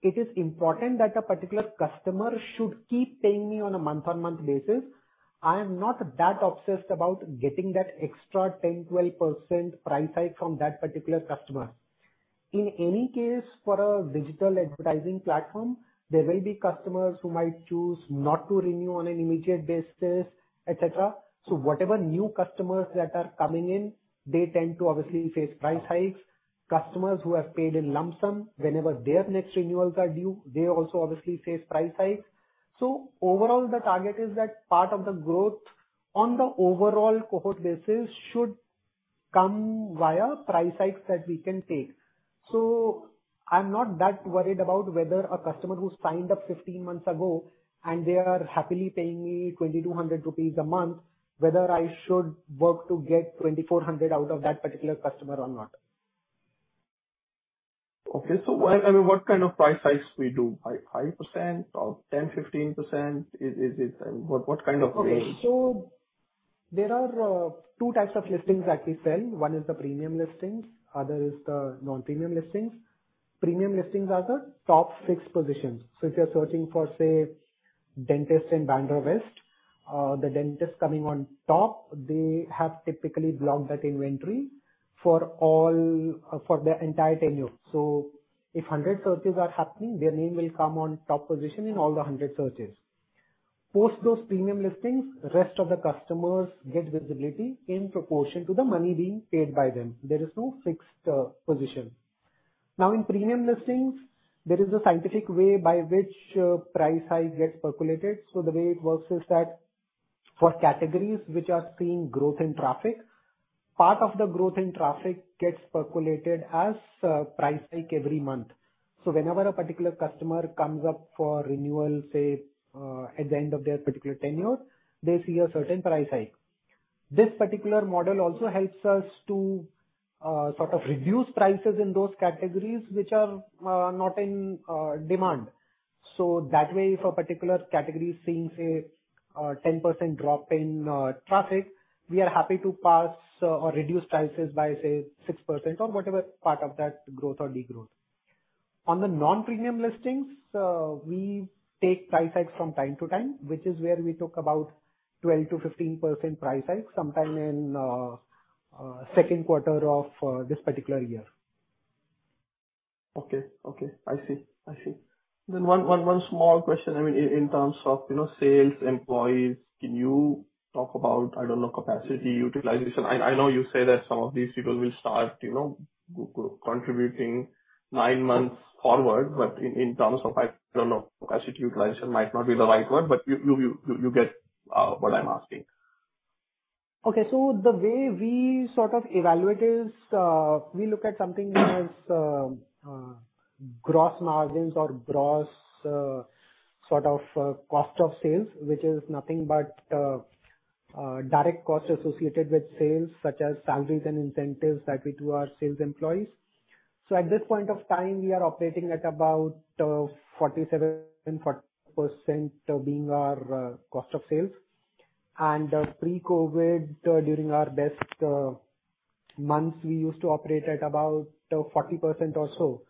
it is important that a particular customer should keep paying me on a month-on-month basis. I am not that obsessed about getting that extra 10, 12% price hike from that particular customer. In any case, for a digital advertising platform, there will be customers who might choose not to renew on an immediate basis, et cetera. Whatever new customers that are coming in, they tend to obviously face price hikes. Customers who have paid in lump sum, whenever their next renewals are due, they also obviously face price hikes. Overall, the target is that part of the growth on the overall cohort basis should come via price hikes that we can take. I'm not that worried about whether a customer who signed up 15 months ago and they are happily paying me 2,200 rupees a month, whether I should work to get 2,400 out of that particular customer or not. Okay. I mean, what kind of price hikes we do? 5% or 10%, 15%? Is it what kind of range? Okay. There are two types of listings that we sell. One is the premium listings, other is the non-premium listings. Premium listings are the top fixed positions. If you're searching for, say, dentist in Bandra West, the dentist coming on top, they have typically blocked that inventory for their entire tenure. If 100 searches are happening, their name will come on top position in all the 100 searches. Post those premium listings, rest of the customers get visibility in proportion to the money being paid by them. There is no fixed position. In premium listings, there is a scientific way by which price hike gets percolated. The way it works is that for categories which are seeing growth in traffic, part of the growth in traffic gets percolated as price hike every month. Whenever a particular customer comes up for renewal, say, at the end of their particular tenure, they see a certain price hike. This particular model also helps us to sort of reduce prices in those categories which are not in demand. That way, for particular categories seeing, say, a 10% drop in traffic, we are happy to pass or reduce prices by, say, 6% or whatever part of that growth or degrowth. On the non-premium listings, we take price hikes from time to time, which is where we talk about 12%-15% price hike sometime in second quarter of this particular year. Okay. I see. One small question. I mean, in terms of, you know, sales employees, can you talk about, I don't know, capacity utilization? I know you say that some of these people will start, you know, contributing nine months forward, but in terms of, I don't know, capacity utilization might not be the right word, but you get what I'm asking. Okay. The way we sort of evaluate is, we look at something which is gross margins or gross sort of cost of sales, which is nothing but direct costs associated with sales, such as salaries and incentives that we do our sales employees. At this point of time, we are operating at about 47% being our cost of sales. Pre-COVID, during our best months, we used to operate at about 40% or so.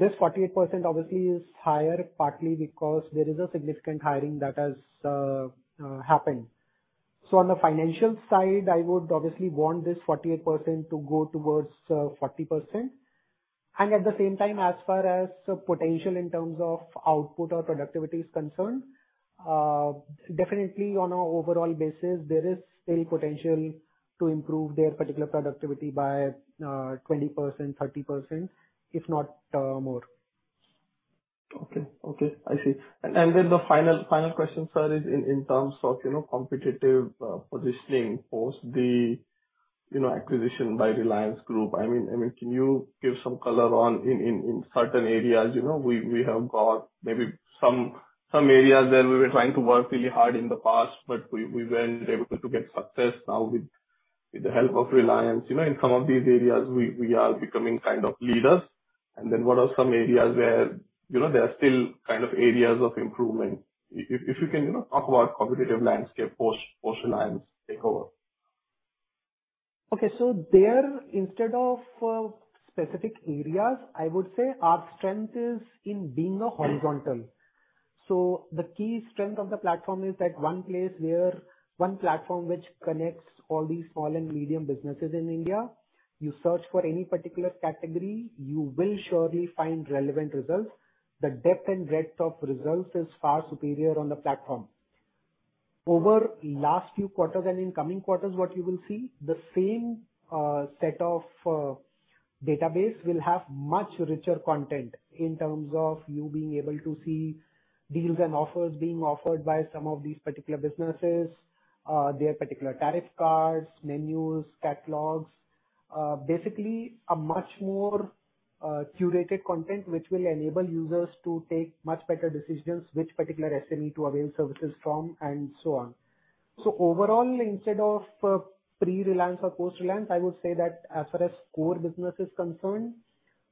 This 48% obviously is higher, partly because there is a significant hiring that has happened. On the financial side, I would obviously want this 48% to go towards 40%. At the same time, as far as potential in terms of output or productivity is concerned, definitely on a overall basis, there is still potential to improve their particular productivity by 20%, 30%, if not more. Okay, I see. The final question, sir, is in terms of, you know, competitive positioning post the, you know, acquisition by Reliance Group. I mean, can you give some color on in certain areas, you know, we have got maybe some areas where we were trying to work really hard in the past, but we weren't able to get success now with the help of Reliance. You know, in some of these areas we are becoming kind of leaders. What are some areas where, you know, there are still kind of areas of improvement? If you can, you know, talk about competitive landscape post Reliance takeover. Okay. there, instead of specific areas, I would say our strength is in being a horizontal. The key strength of the platform is that one place one platform which connects all these small and medium businesses in India. You search for any particular category, you will surely find relevant results. The depth and breadth of results is far superior on the platform. Over last few quarters and in coming quarters, what you will see, the same set of database will have much richer content in terms of you being able to see deals and offers being offered by some of these particular businesses, their particular tariff cards, menus, catalogs. Basically a much more curated content which will enable users to take much better decisions, which particular SME to avail services from and so on. Overall, instead of pre-Reliance or post-Reliance, I would say that as far as core business is concerned,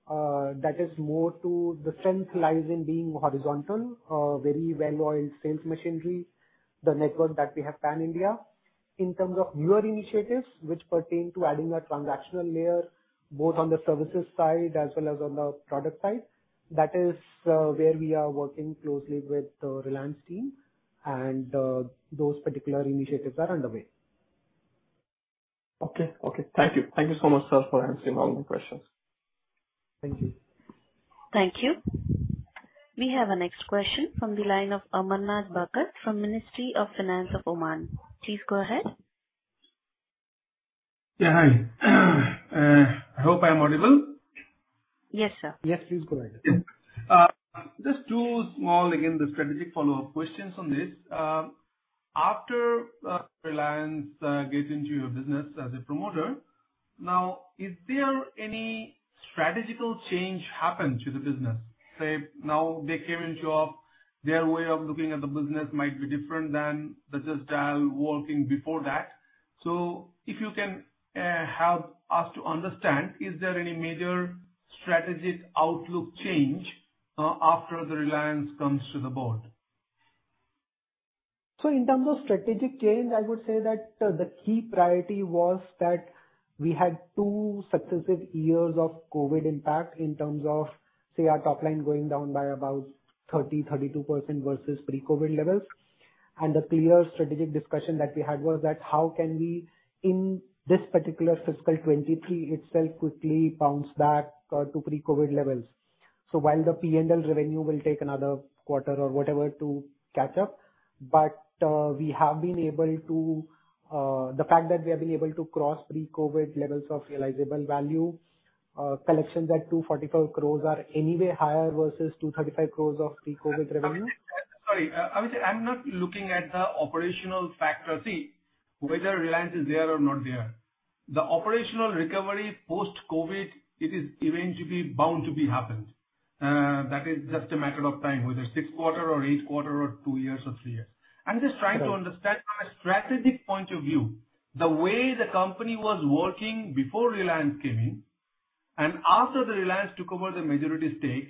that is more to the strength lies in being horizontal. Very well-oiled sales machinery, the network that we have pan-India. In terms of newer initiatives which pertain to adding a transactional layer both on the services side as well as on the product side, that is where we are working closely with the Reliance team and those particular initiatives are underway. Okay. Okay. Thank you so much, sir, for answering all my questions. Thank you. Thank you. We have our next question from the line of Amarnath Bakut from Ministry of Finance of Oman. Please go ahead. Yeah, hi. I hope I'm audible. Yes, sir. Yes, please go ahead. Yeah. Just 2 small, again, the strategic follow-up questions on this. After Reliance gets into your business as a promoter, now is there any strategic change happened to the business? Say, now they came into of their way of looking at the business might be different than the business style working before that. If you can, help us to understand is there any major strategic outlook change after the Reliance comes to the board? In terms of strategic change, I would say that the key priority was that we had 2 successive years of COVID impact in terms of, say, our top line going down by about 30%-32% versus pre-COVID levels. The clear strategic discussion that we had was that how can we, in this particular fiscal 2023 itself, quickly bounce back to pre-COVID levels. While the PNL revenue will take another quarter or whatever to catch up. The fact that we have been able to cross pre-COVID levels of realizable value, collections at 244 crores are anyway higher versus 235 crores of pre-COVID revenue. Sorry. I would say I'm not looking at the operational factor. See, whether Reliance is there or not there. The operational recovery post-COVID, it is eventually bound to be happened. That is just a matter of time, whether 6 quarter or 8 quarter or 2 years or 3 years. I'm just trying to understand from a strategic point of view, the way the company was working before Reliance came in and after the Reliance took over the majority stake,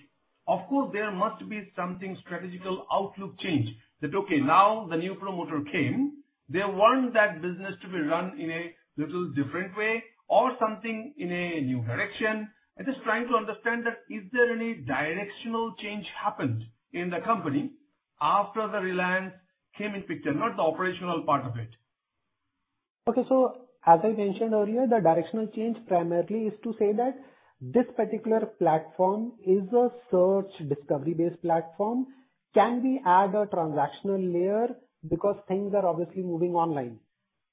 of course, there must be something strategical outlook change. That, okay, now the new promoter came, they want that business to be run in a little different way or something in a new direction. I'm just trying to understand that is there any directional change happened in the company after the Reliance came in picture, not the operational part of it. Okay. As I mentioned earlier, the directional change primarily is to say that this particular platform is a search discovery-based platform. Can we add a transactional layer? Things are obviously moving online.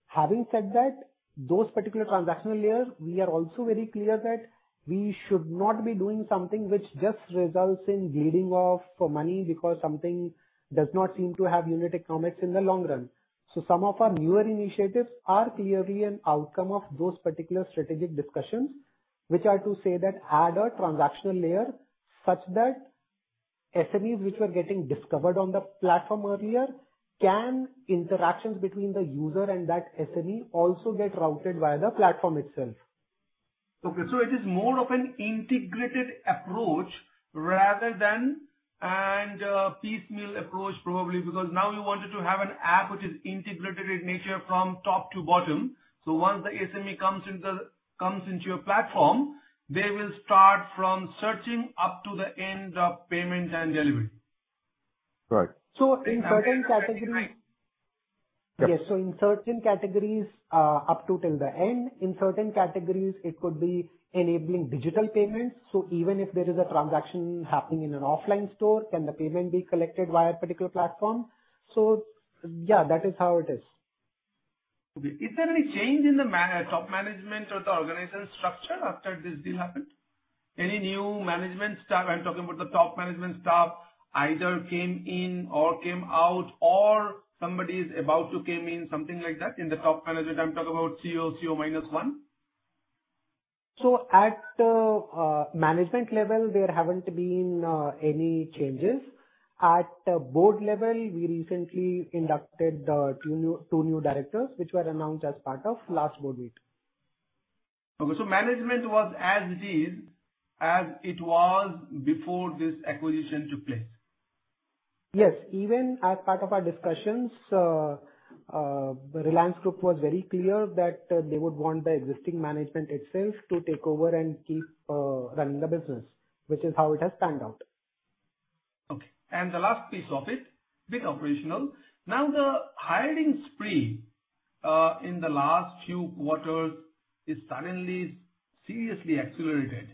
Having said that, those particular transactional layer, we are also very clear that we should not be doing something which just results in bleeding off of money because something does not seem to have unit economics in the long run. Some of our newer initiatives are clearly an outcome of those particular strategic discussions, which are to say that add a transactional layer such that SMEs which were getting discovered on the platform earlier, can interactions between the user and that SME also get routed via the platform itself. It is more of an integrated approach rather than a piecemeal approach, probably because now you wanted to have an app which is integrated in nature from top to bottom. Once the SME comes into your platform, they will start from searching up to the end of payment and delivery. Right. in certain categories. And, and- Yes. In certain categories, till the end, in certain categories, it could be enabling digital payments. Even if there is a transaction happening in an offline store, can the payment be collected via a particular platform? Yeah, that is how it is. Okay. Is there any change in the top management or the organizational structure after this deal happened? Any new management staff, I'm talking about the top management staff either came in or came out or somebody is about to come in, something like that in the top management? I'm talking about CEO minus one. At the management level, there haven't been any changes. At board level, we recently inducted 2 new directors, which were announced as part of last board meet. Okay. Management was as it is, as it was before this acquisition took place. Yes. Even as part of our discussions, Reliance Group was very clear that they would want the existing management itself to take over and keep running the business, which is how it has panned out. Okay. The last piece of it, bit operational. The hiring spree in the last few quarters is suddenly seriously accelerated.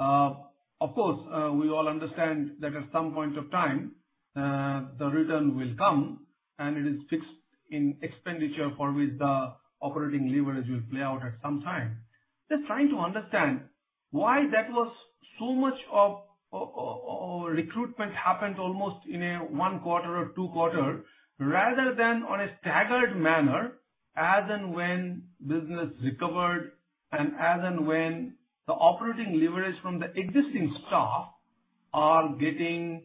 Of course, we all understand that at some point of time, the return will come and it is fixed in expenditure for which the operating leverage will play out at some time. Just trying to understand why that was so much of, or recruitment happened almost in a one quarter or two quarter, rather than on a staggered manner as and when business recovered and as and when the operating leverage from the existing staff are getting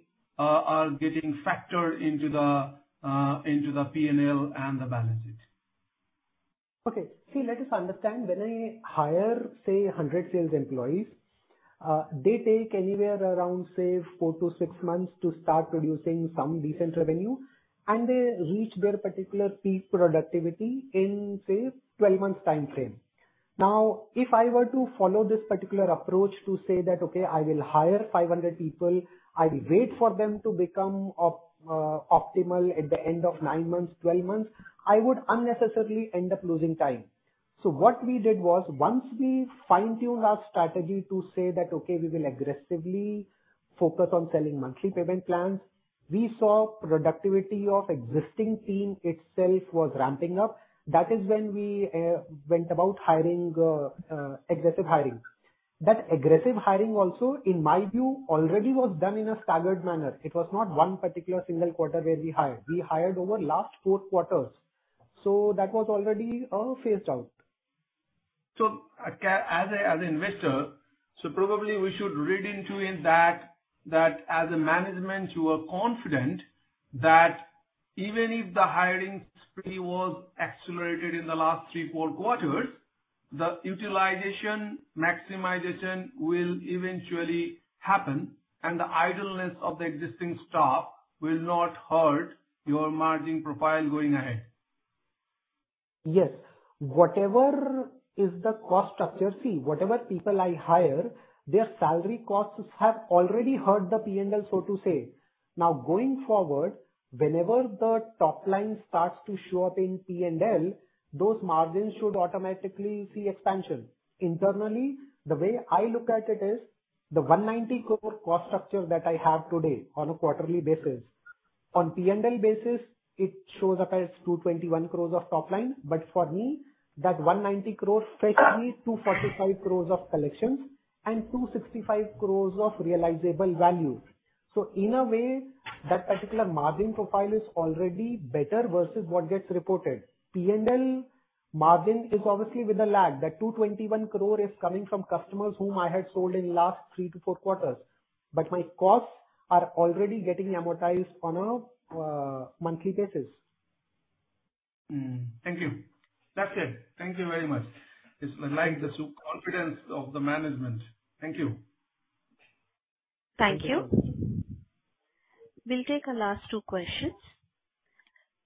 factored into the PNL and the balance sheet. Okay. See, let us understand. When I hire, say, 100 sales employees, they take anywhere around, say, 4-6 months to start producing some decent revenue, and they reach their particular peak productivity in, say, 12 months timeframe. Now, if I were to follow this particular approach to say that, "Okay, I will hire 500 people, I will wait for them to become optimal at the end of 9 months, 12 months," I would unnecessarily end up losing time. What we did was once we fine-tuned our strategy to say that, "Okay, we will aggressively focus on selling monthly payment plans." We saw productivity of existing team itself was ramping up. That is when we went about hiring aggressive hiring. That aggressive hiring also, in my view, already was done in a staggered manner. It was not one particular single quarter where we hired. We hired over last four quarters. That was already phased out. As an investor, so probably we should read into is that as a management, you are confident that even if the hiring spree was accelerated in the last three, four quarters, the utilization maximization will eventually happen and the idleness of the existing staff will not hurt your margin profile going ahead. Yes. Whatever is the cost structure. See, whatever people I hire, their salary costs have already hurt the P&L, so to say. Now, going forward, whenever the top line starts to show up in P&L, those margins should automatically see expansion. Internally, the way I look at it is the 190 crores cost structure that I have today on a quarterly basis. On P&L basis, it shows up as 221 crores of top line. For me, that 190 crores fetch me 245 crores of collections and 265 crores of realizable value. In a way, that particular margin profile is already better versus what gets reported. P&L margin is obviously with a lag. That 221 crores is coming from customers whom I had sold in last 3-4 quarters, my costs are already getting amortized on a monthly basis. Thank you. That's it. Thank you very much. I like the confidence of the management. Thank you. Thank you. We'll take our last two questions.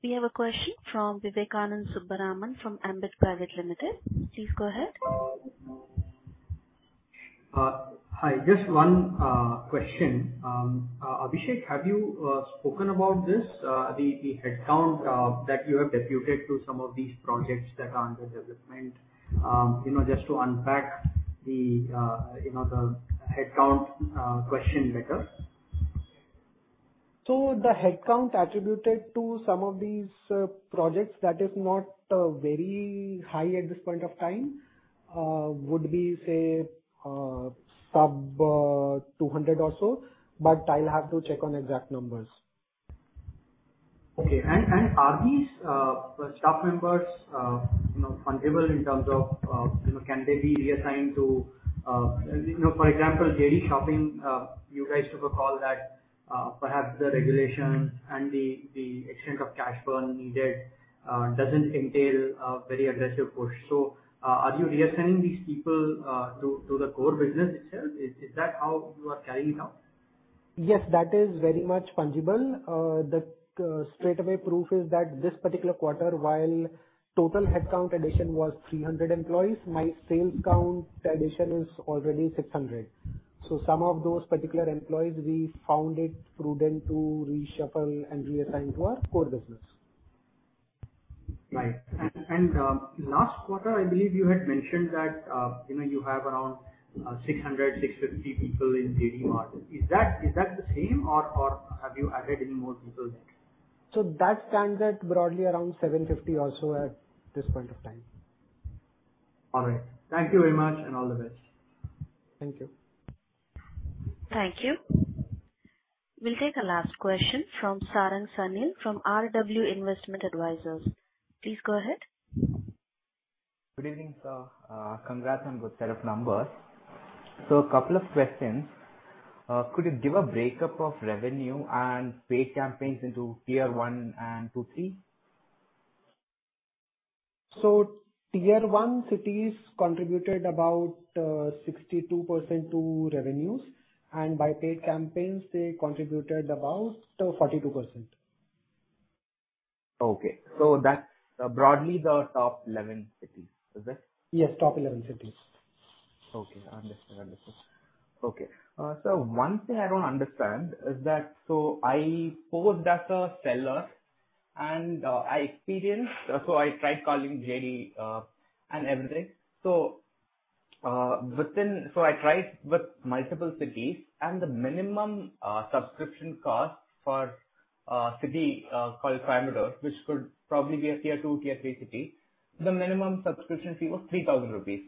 We have a question from Vivekanand Subbaraman from Ambit Private Limited. Please go ahead. Hi. Just one question. Abhishek, have you spoken about this the headcount that you have deputed to some of these projects that are under development? You know, just to unpack the you know, the headcount question better. The headcount attributed to some of these projects that is not very high at this point of time, would be say, sub, 200 or so, but I'll have to check on exact numbers. Okay. Are these staff members, you know, fungible in terms of, you know, can they be reassigned to, you know, for example, JD Shopping, you guys took a call that perhaps the regulations and the extent of cash burn needed doesn't entail a very aggressive push. Are you reassigning these people to the core business itself? Is that how you are carrying it out? Yes, that is very much fungible. The straight away proof is that this particular quarter, while total headcount addition was 300 employees, my sales count addition is already 600. Some of those particular employees, we found it prudent to reshuffle and reassign to our core business. Right. Last quarter, I believe you had mentioned that, you know, you have around 600-650 people in Jd Mart. Is that the same or have you added any more people there? That stands at broadly around 750 or so at this point of time. All right. Thank you very much, and all the best. Thank you. Thank you. We'll take a last question from Sarang Sanil from RW Investment Advisors. Please go ahead. Good evening, sir. Congrats on good set of numbers. A couple of questions. Could you give a breakup of revenue and paid campaigns into Tier 1 and 2, 3? tier one cities contributed about 62% to revenues, and by paid campaigns, they contributed about 42%. Okay. That's broadly the top 11 cities. Is it? Yes. Top 11 cities. Okay, understood. Understood. Okay. One thing I don't understand is that, so I posed as a seller and I experienced... I tried calling JD and everything. Within... I tried with multiple cities and the minimum subscription cost for a city called Trivandrum, which could probably be a tier 2, tier 3 city, the minimum subscription fee was 3,000 rupees.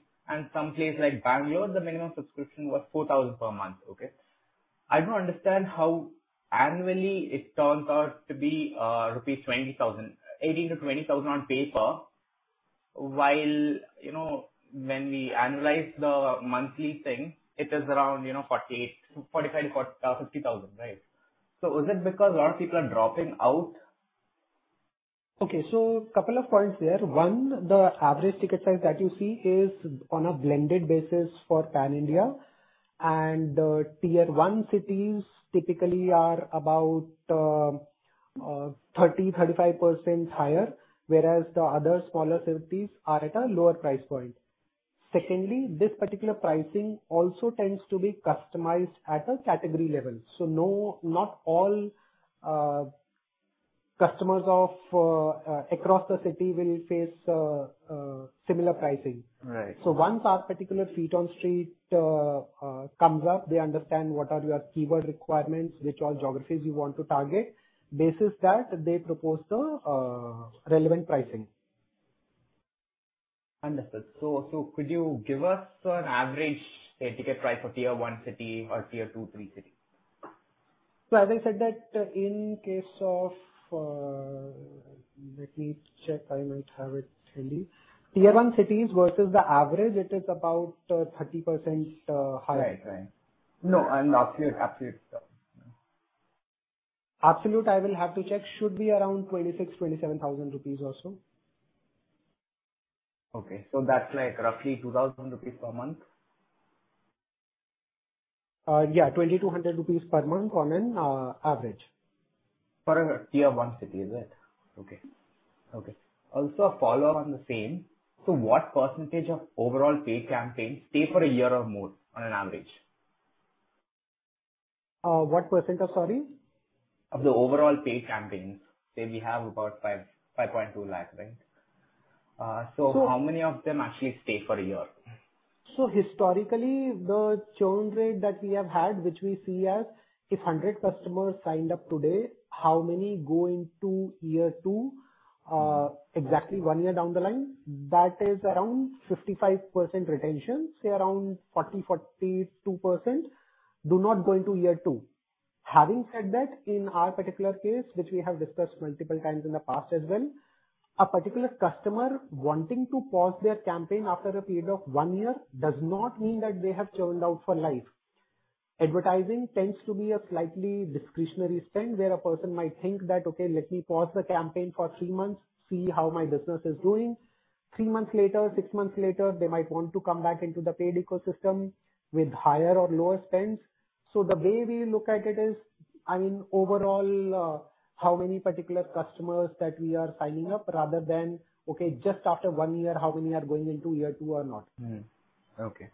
Some place like Bangalore, the minimum subscription was 4,000 per month. Okay. I don't understand how annually it turns out to be rupees 20,000, 18,000-20,000 on paper, while, you know, when we analyze the monthly thing, it is around, you know, 48,000, 45,000-50,000, right? Is it because a lot of people are dropping out? Couple of points there. One, the average ticket size that you see is on a blended basis for pan-India, and the tier one cities typically are about 30%-35% higher, whereas the other smaller cities are at a lower price point. Secondly, this particular pricing also tends to be customized at a category level. No, not all Customers of, across the city will face, similar pricing. Right. Once our particular feet on street comes up, they understand what are your keyword requirements, which all geographies you want to target. Basis that, they propose the relevant pricing. Understood. Could you give us an average, say, ticket price for tier one city or tier two, three city? As I said that, Let me check, I might have it handy. Tier one cities versus the average, it is about 30% higher. Right. Right. No, I mean absolute number. Absolute, I will have to check. Should be around 26,000-27,000 rupees or so. Okay. That's like roughly 2,000 rupees per month? Yeah, 2,200 rupees per month on an average. For a tier one city, is it? Okay. Also a follow-up on the same. What % of overall paid campaigns stay for a year or more on an average? What % of, sorry? Of the overall paid campaigns. Say we have about 5.2 lakh, right? So- How many of them actually stay for a year? Historically, the churn rate that we have had, which we see as if 100 customers signed up today, how many go into year 2, exactly 1 year down the line, that is around 55% retention. Say around 40-42% do not go into year 2. Having said that, in our particular case, which we have discussed multiple times in the past as well, a particular customer wanting to pause their campaign after a period of 1 year does not mean that they have churned out for life. Advertising tends to be a slightly discretionary spend, where a person might think that, "Okay, let me pause the campaign for 3 months, see how my business is doing." 3 months later, 6 months later, they might want to come back into the paid ecosystem with higher or lower spends. The way we look at it is, I mean, overall, how many particular customers that we are signing up rather than, okay, just after one year, how many are going into year two or not. Mm-hmm. Okay.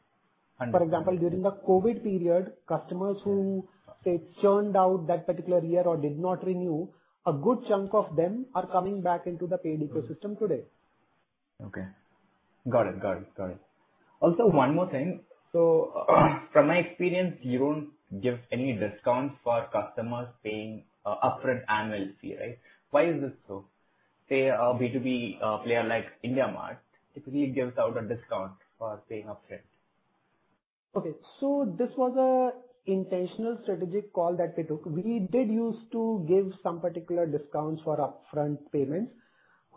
Understood. For example, during the COVID period, customers who, say, churned out that particular year or did not renew, a good chunk of them are coming back into the paid ecosystem today. Okay. Got it. Got it. Got it. Also, one more thing. From my experience, you don't give any discounts for customers paying a upfront annual fee, right? Why is this so? Say a B2B player like IndiaMART, typically gives out a discount for paying upfront. Okay. This was a intentional strategic call that we took. We did use to give some particular discounts for upfront payments.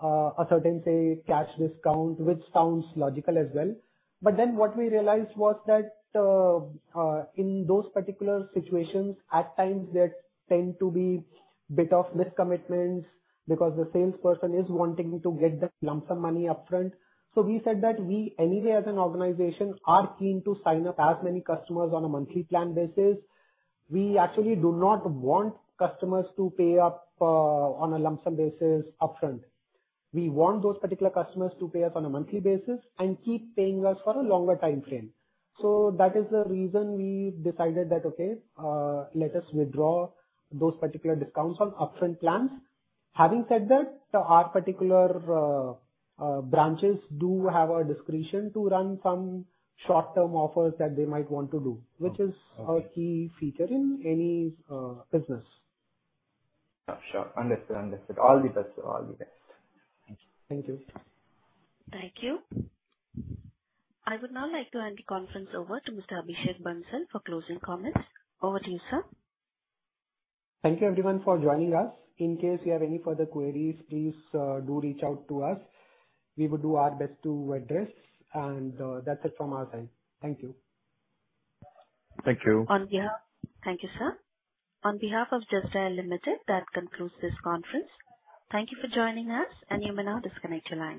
A certain, say, cash discount, which sounds logical as well. What we realized was that in those particular situations, at times there tend to be bit of miscommitments because the salesperson is wanting to get the lump sum money upfront. We said that we anyway as an organization are keen to sign up as many customers on a monthly plan basis. We actually do not want customers to pay up on a lump sum basis upfront. We want those particular customers to pay us on a monthly basis and keep paying us for a longer timeframe. That is the reason we decided that, okay, let us withdraw those particular discounts on upfront plans. Having said that, our particular branches do have a discretion to run some short-term offers that they might want to do. Okay. which is a key feature in any business. Sure. Understood. Understood. All the best. All the best. Thank you. Thank you. Thank you. I would now like to hand the conference over to Mr. Abhishek Bansal for closing comments. Over to you, sir. Thank you everyone for joining us. In case you have any further queries, please do reach out to us. We will do our best to address. That's it from our side. Thank you. Thank you. Thank you, sir. On behalf of JustDial Limited, that concludes this conference. Thank you for joining us. You may now disconnect your lines.